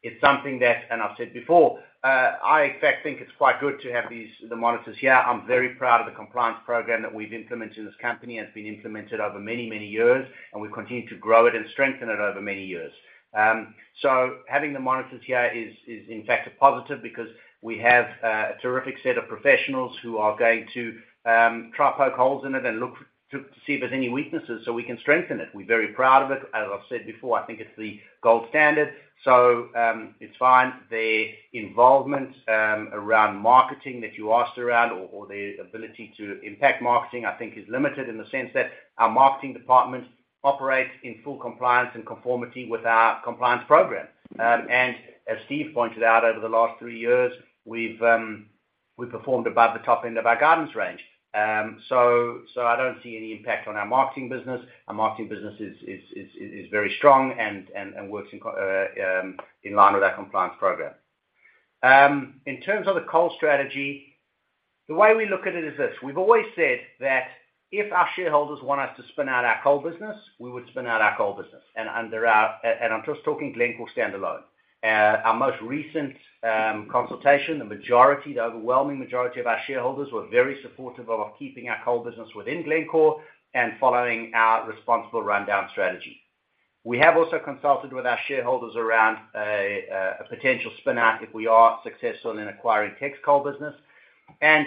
It's something that, and I've said before, I, in fact, think it's quite good to have these, the monitors here. I'm very proud of the compliance program that we've implemented in this company, and it's been implemented over many, many years, and we've continued to grow it and strengthen it over many years. Having the monitors here is in fact a positive because we have a terrific set of professionals who are going to try poke holes in it and look to see if there's any weaknesses so we can strengthen it. We're very proud of it. As I've said before, I think it's the gold standard, so it's fine. Their involvement around marketing that you asked around or their ability to impact marketing, I think is limited in the sense that our marketing department operates in full compliance and conformity with our compliance program. As Steve pointed out, over the last three years, we've performed above the top end of our guidance range. I don't see any impact on our marketing business. Our marketing business is very strong and works in line with our compliance program. In terms of the coal strategy, the way we look at it is this: we've always said that if our shareholders want us to spin out our coal business, we would spin out our coal business. I'm just talking Glencore standalone. Our most recent consultation, the majority, the overwhelming majority of our shareholders were very supportive of keeping our coal business within Glencore and following our responsible rundown strategy. We have also consulted with our shareholders around a potential spin out if we are successful in acquiring Teck's coal business. There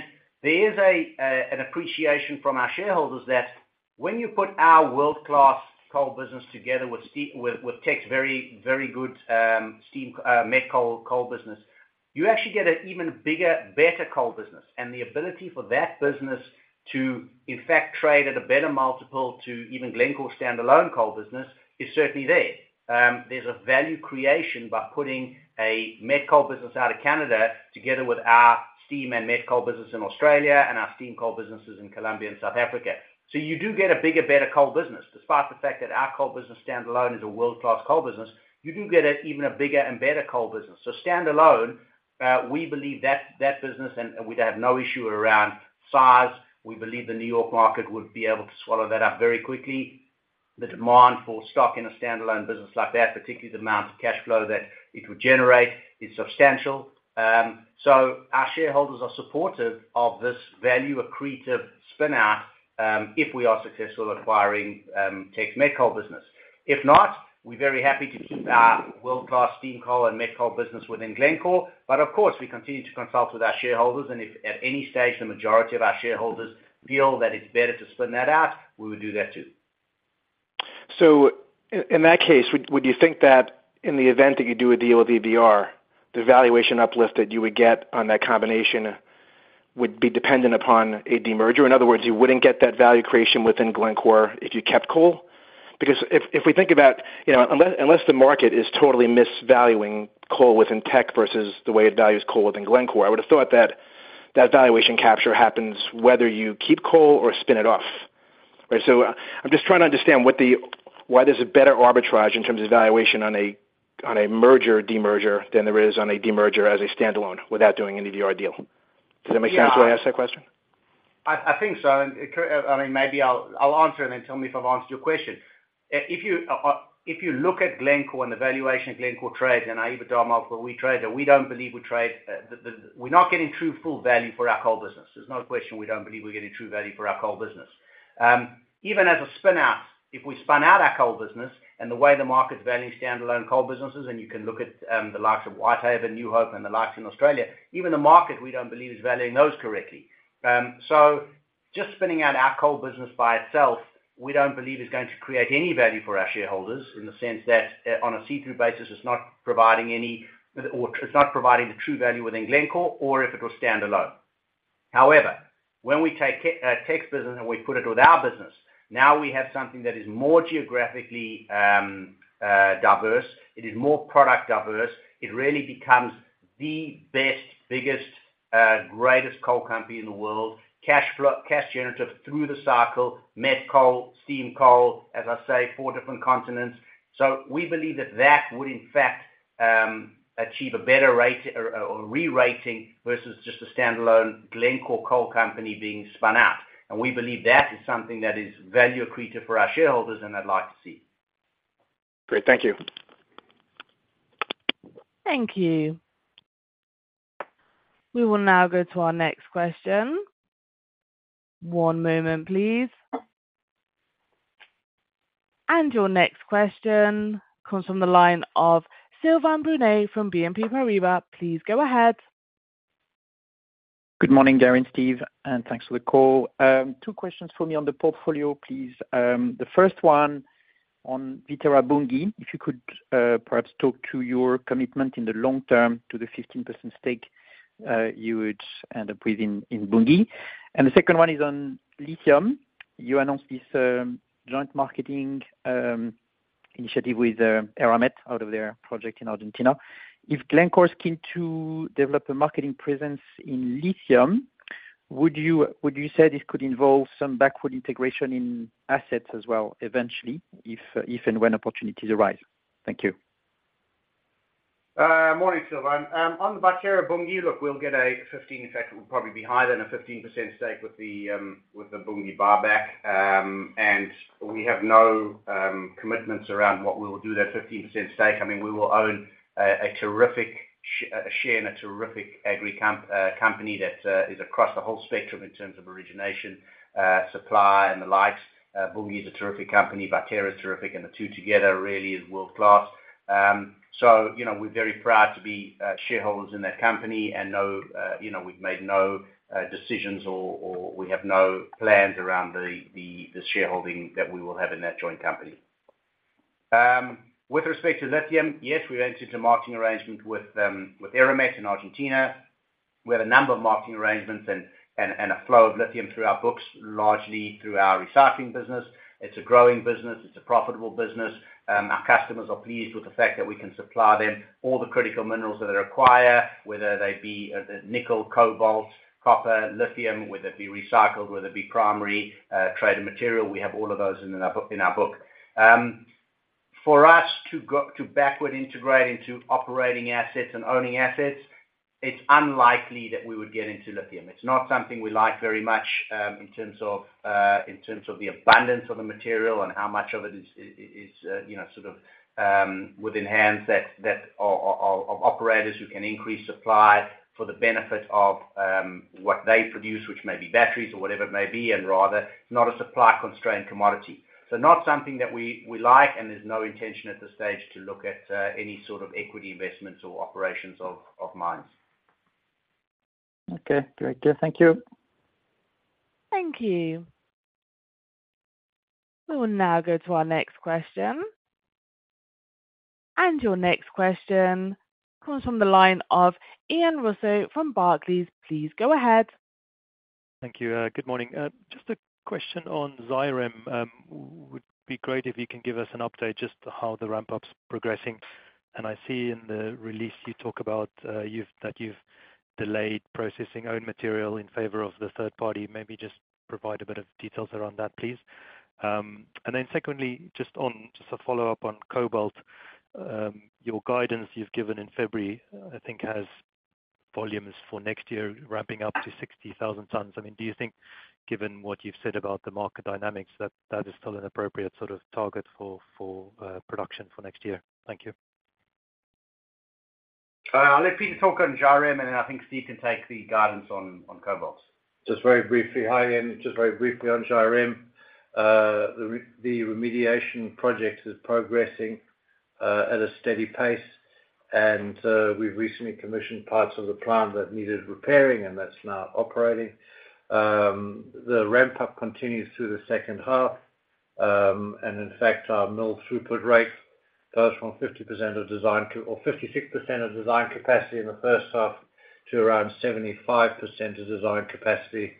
is an appreciation from our shareholders that when you put our world-class coal business together with Teck's very, very good steam met coal business, you actually get an even bigger, better coal business. The ability for that business to, in fact, trade at a better multiple to even Glencore standalone coal business is certainly there. There's a value creation by putting a met coal business out of Canada together with our steam and met coal business in Australia and our steam coal businesses in Colombia and South Africa. You do get a bigger, better coal business. Despite the fact that our coal business standalone is a world-class coal business, you do get an even a bigger and better coal business. Standalone, we believe that, that business and, and we'd have no issue around size. We believe the New York market would be able to swallow that up very quickly. The demand for stock in a standalone business like that, particularly the amount of cash flow that it would generate, is substantial. Our shareholders are supportive of this value accretive spin out, if we are successful acquiring, Teck's met coal business. If not, we're very happy to keep our world-class steam coal and met coal business within Glencore. Of course, we continue to consult with our shareholders, and if at any stage the majority of our shareholders feel that it's better to spin that out, we would do that too. In that case, would you think that in the event that you do a deal with EVR, the valuation uplift that you would get on that combination would be dependent upon a demerger? In other words, you wouldn't get that value creation within Glencore if you kept coal? Because if we think about, you know, unless the market is totally misvaluing coal within Teck versus the way it values coal within Glencore, I would have thought that that valuation capture happens whether you keep coal or spin it off. Right, so I'm just trying to understand why there's a better arbitrage in terms of valuation on a merger demerger than there is on a demerger as a standalone without doing any EVR deal. Yeah. Does that make sense the way I asked that question? I think so, I mean, maybe I'll, I'll answer, and then tell me if I've answered your question. If you look at Glencore and the valuation Glencore trades, and I even talk about when we trade, that we don't believe we trade, we're not getting true full value for our coal business. There's no question we don't believe we're getting true value for our coal business. Even if we spun out our coal business and the way the market values standalone coal businesses, and you can look at the likes of Whitehaven, New Hope, and the likes in Australia, even the market, we don't believe is valuing those correctly. Just spinning out our coal business by itself, we don't believe is going to create any value for our shareholders in the sense that, on a see-through basis, it's not providing any, or it's not providing the true value within Glencore or if it was standalone. However, when we take Teck's business and we put it with our business, now we have something that is more geographically diverse. It is more product diverse. It really becomes the best, biggest, greatest coal company in the world, cash flow, cash generative through the cycle, met coal, steam coal, as I say, four different continents. We believe that that would, in fact, achieve a better rate, re-rating versus just a standalone Glencore coal company being spun out. We believe that is something that is value accretive for our shareholders, and I'd like to see. Great. Thank you. Thank you. We will now go to our next question. One moment, please. Your next question comes from the line of Sylvain Brunet from BNP Paribas. Please go ahead. Good morning, Gary and Steve, thanks for the call. Two questions for me on the portfolio, please. The first one on Viterra/Bunge. If you could, perhaps talk to your commitment in the long term to the 15% stake you would end up with in Bunge. The second one is on lithium. You announced this joint marketing initiative with Eramet out of their project in Argentina. If Glencore is keen to develop a marketing presence in lithium, would you say this could involve some backward integration in assets as well, eventually, if and when opportunities arise? Thank you. Morning, Sylvain. On the Viterra/Bunge, look, we'll get a 15%, in fact, it will probably be higher than a 15% stake with the with the Bunge buyback. We have no commitments around what we will do with that 15% stake. I mean, we will own a terrific share and a terrific agri company that is across the whole spectrum in terms of origination, supply and the likes. Bunge is a terrific company, Viterra is terrific, and the two together really is world-class. You know, we're very proud to be shareholders in that company and no, you know, we've made no decisions or, or we have no plans around the shareholding that we will have in that joint company. With respect to lithium, yes, we went into a marketing arrangement with Eramet in Argentina. We have a number of marketing arrangements and a flow of lithium through our books, largely through our recycling business. It's a growing business. It's a profitable business. Our customers are pleased with the fact that we can supply them all the critical minerals that are required, whether they be nickel, cobalt, copper, lithium, whether it be recycled, whether it be primary, traded material, we have all of those in our book. For us to backward integrate into operating assets and owning assets, it's unlikely that we would get into lithium. It's not something we like very much, in terms of the abundance of the material and how much of it is, you know, sort of, within hands that of operators who can increase supply for the benefit of, what they produce, which may be batteries or whatever it may be, and rather it's not a supply-constrained commodity. Not something that we like, and there's no intention at this stage to look at, any sort of equity investments or operations of mines. Okay. Great. Yeah. Thank you. Thank you. We will now go to our next question. Your next question comes from the line of Ian Rossouw from Barclays. Please go ahead. Thank you. Good morning. Just a question on Zhairem. Would be great if you can give us an update just how the ramp-up's progressing. I see in the release you talk about that you've delayed processing own material in favor of the third party. Maybe just provide a bit of details around that, please. Secondly, just on, just a follow-up on cobalt. Your guidance you've given in February, I think, has volumes for next year ramping up to 60,000 tons. I mean, do you think, given what you've said about the market dynamics, that that is still an appropriate sort of target for, for, production for next year? Thank you. I'll let Peter talk on Zhairem, and then I think Steve can take the guidance on, on cobalt. Just very briefly. Hi, Ian. Just very briefly on Zhairem. The remediation project is progressing at a steady pace, and we've recently commissioned parts of the plant that needed repairing, and that's now operating. The ramp-up continues through the second half. In fact, our mill throughput rate goes from 50% of design or 56% of design capacity in the first half to around 75% of design capacity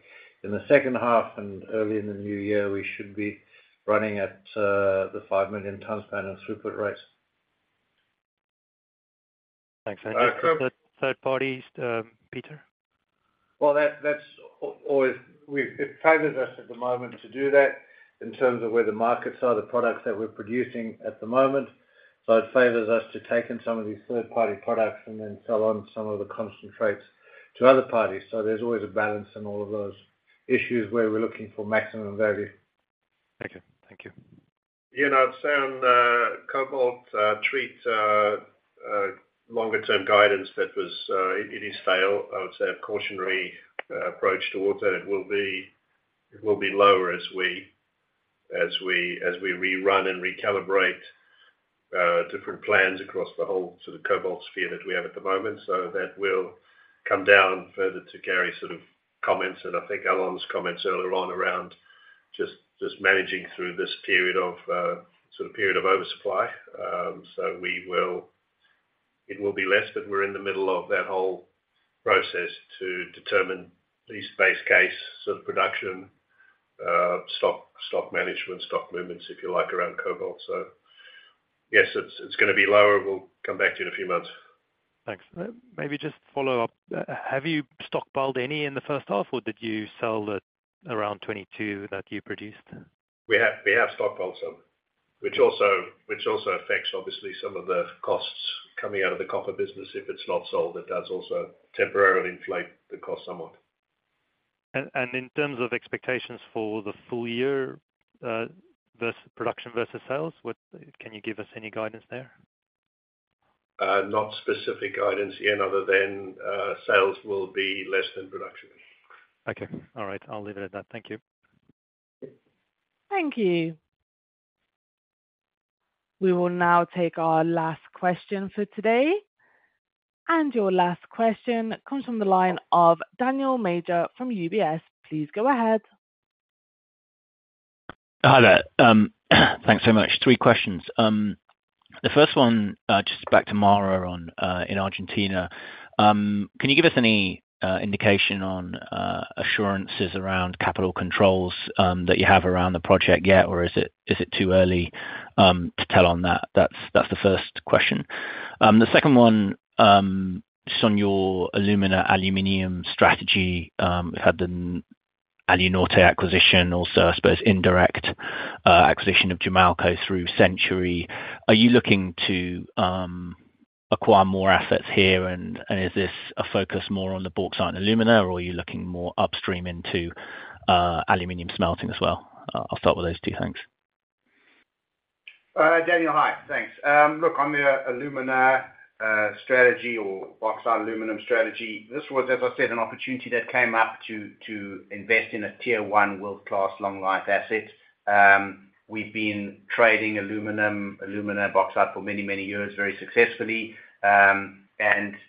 in the second half and early in the new year, we should be running at the 5 million tons per annum throughput rate. Thanks. Third parties, Peter? Well, that's always— It favors us at the moment to do that in terms of where the markets are, the products that we're producing at the moment. It favors us to take in some of these third-party products and then sell on some of the concentrates to other parties. There's always a balance in all of those issues where we're looking for maximum value. Thank you. Thank you. You know, I'd say on, cobalt, treat, longer term guidance that was, it is fail. I would say a cautionary approach towards that. It will be lower as we rerun and recalibrate, different plans across the whole sort of cobalt sphere that we have at the moment. That will come down further to Gary sort of comments, and I think Alon's comments earlier on around just managing through this sort of period of oversupply. It will be less, but we're in the middle of that whole process to determine the base case sort of production, stock management, stock movements, if you like, around cobalt. Yes, it's gonna be lower. We'll come back to you in a few months. Thanks. maybe just follow up. Have you stockpiled any in the first half, or did you sell the around 22,000 tons that you produced? We have stockpiled some, which also, which also affects, obviously, some of the costs coming out of the copper business. If it's not sold, it does also temporarily inflate the cost somewhat. In terms of expectations for the full year, versus production versus sales, Can you give us any guidance there? Not specific guidance, Ian, other than sales will be less than production. Okay. All right. I'll leave it at that. Thank you. Thank you. We will now take our last question for today. Your last question comes from the line of Daniel Major from UBS. Please go ahead. Hi there. Thanks so much. Three questions. The first one, just back to MARA in Argentina. Can you give us any indication on assurances around capital controls that you have around the project yet? Or is it too early to tell on that? That's the first question. The second one, just on your alumina aluminum strategy, we had the Alunorte acquisition, also, I suppose, indirect acquisition of Jamalco through Century. Are you looking to acquire more assets here? Is this a focus more on the bauxite and alumina, or are you looking more upstream into aluminum smelting as well? I'll start with those two. Thanks. Daniel. Hi. Thanks. Look, on the alumina strategy or bauxite aluminum strategy, this was, as I said, an opportunity that came up to invest in a Tier 1 world-class long life asset. We've been trading aluminum, alumina bauxite for many, many years, very successfully. Having,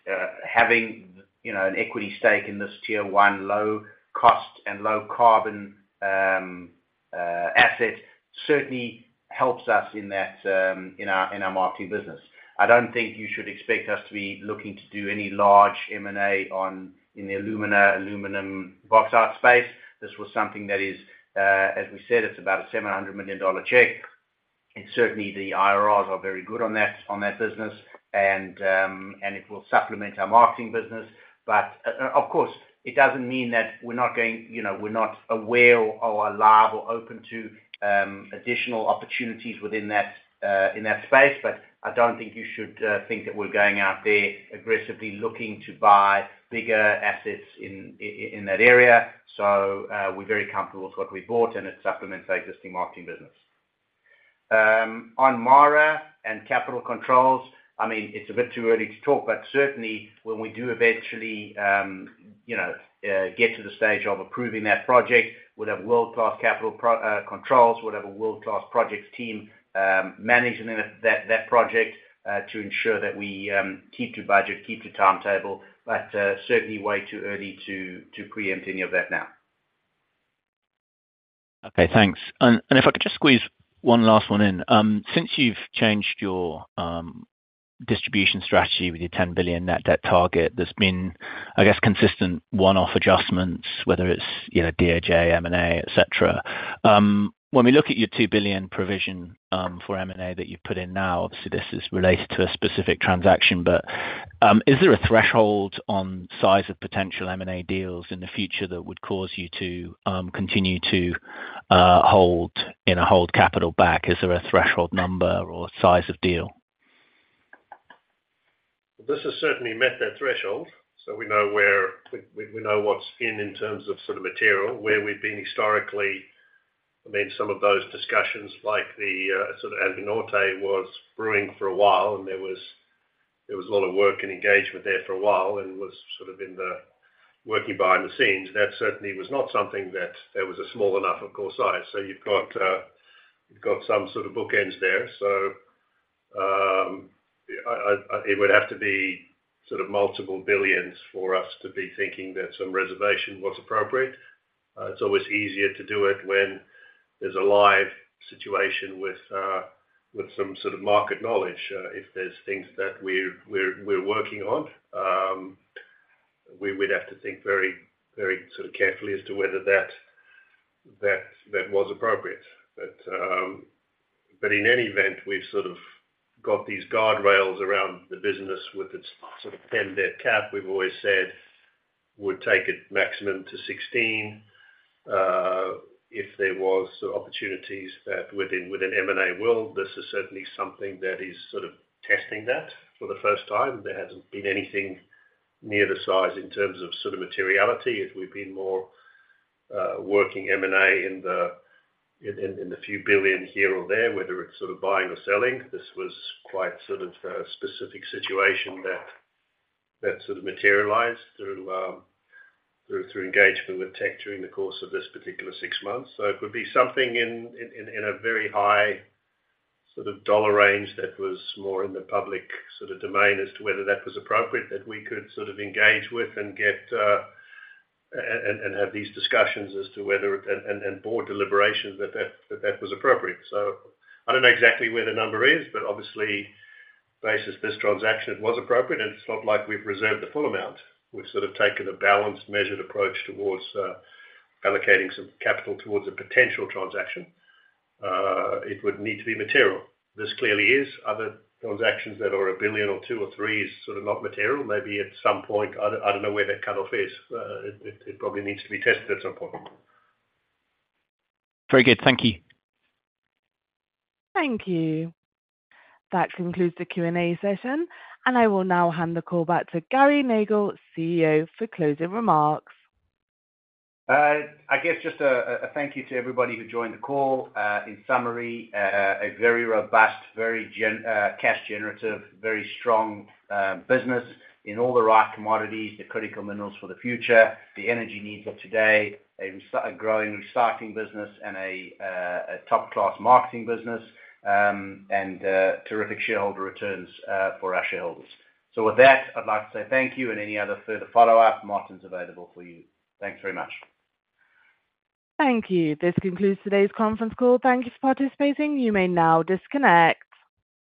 you know, an equity stake in this Tier 1 low cost and low carbon asset, certainly helps us in that in our marketing business. I don't think you should expect us to be looking to do any large M&A in the alumina, aluminum, bauxite space. This was something that is, as we said, it's about a $700 million check, certainly, the IRRs are very good on that business. It will supplement our marketing business. Of course, it doesn't mean that we're not, you know, aware or alive or open to additional opportunities within that in that space. I don't think you should think that we're going out there aggressively looking to buy bigger assets in that area. We're very comfortable with what we bought, and it supplements our existing marketing business. On MARA and capital controls, I mean, it's a bit too early to talk, but certainly when we do eventually, you know, get to the stage of approving that project, we'll have world-class capital controls. We'll have a world-class projects team, managing that project to ensure that we keep to budget, keep to timetable, certainly way too early to preempt any of that now. Okay, thanks. If I could just squeeze one last one in. Since you've changed your distribution strategy with your $10 billion net debt target, there's been, I guess, consistent one-off adjustments, whether it's, you know, DOJ, M&A, et cetera. We look at your $2 billion provision for M&A that you've put in now, obviously, this is related to a specific transaction, is there a threshold on size of potential M&A deals in the future that would cause you to continue to hold, you know, hold capital back? Is there a threshold number or size of deal? This has certainly met that threshold. We know where we know what's in, in terms of sort of material, where we've been historically. I mean, some of those discussions, like the sort of Alunorte was brewing for a while, and there was a lot of work and engagement there for a while, and was sort of in the working behind the scenes. That certainly was not something that there was a small enough, of course, size. You've got some sort of bookends there. It would have to be sort of multiple billions for us to be thinking that some reservation was appropriate. It's always easier to do it when there's a live situation with some sort of market knowledge. If there's things that we're working on, we would have to think very, very carefully as to whether that was appropriate. In any event, we've got these guardrails around the business with its $10 billion debt cap. We've always said would take it maximum to $16 billion, if there was opportunities within M&A world. This is certainly something that is testing that for the first time. There hasn't been anything near the size in terms of materiality, as we've been more working M&A in the few billion here or there, whether it's buying or selling. This was quite sort of a specific situation that, that sort of materialized through, through engagement with Teck during the course of this particular six months. It would be something in a very high sort of dollar range that was more in the public sort of domain as to whether that was appropriate, that we could sort of engage with and get-- Have these discussions as to whether and board deliberations that was appropriate. I don't know exactly where the number is, but obviously, basis this transaction was appropriate, and it's not like we've reserved the full amount. We've sort of taken a balanced, measured approach towards allocating some capital towards a potential transaction. It would need to be material. This clearly is. Other transactions that are $1 billion or $2 billion or $3 billion is sort of not material. Maybe at some point, I don't know where that cutoff is. It probably needs to be tested at some point. Very good. Thank you. Thank you. That concludes the Q&A session. I will now hand the call back to Gary Nagle, CEO, for closing remarks. I guess just a thank you to everybody who joined the call. In summary, a very robust, cash generative, very strong business in all the right commodities, the critical minerals for the future, the energy needs of today, a growing recycling business and a top-class marketing business, and terrific shareholder returns for our shareholders. With that, I'd like to say thank you and any other further follow-up, Martin's available for you. Thanks very much. Thank you. This concludes today's conference call. Thank you for participating. You may now disconnect.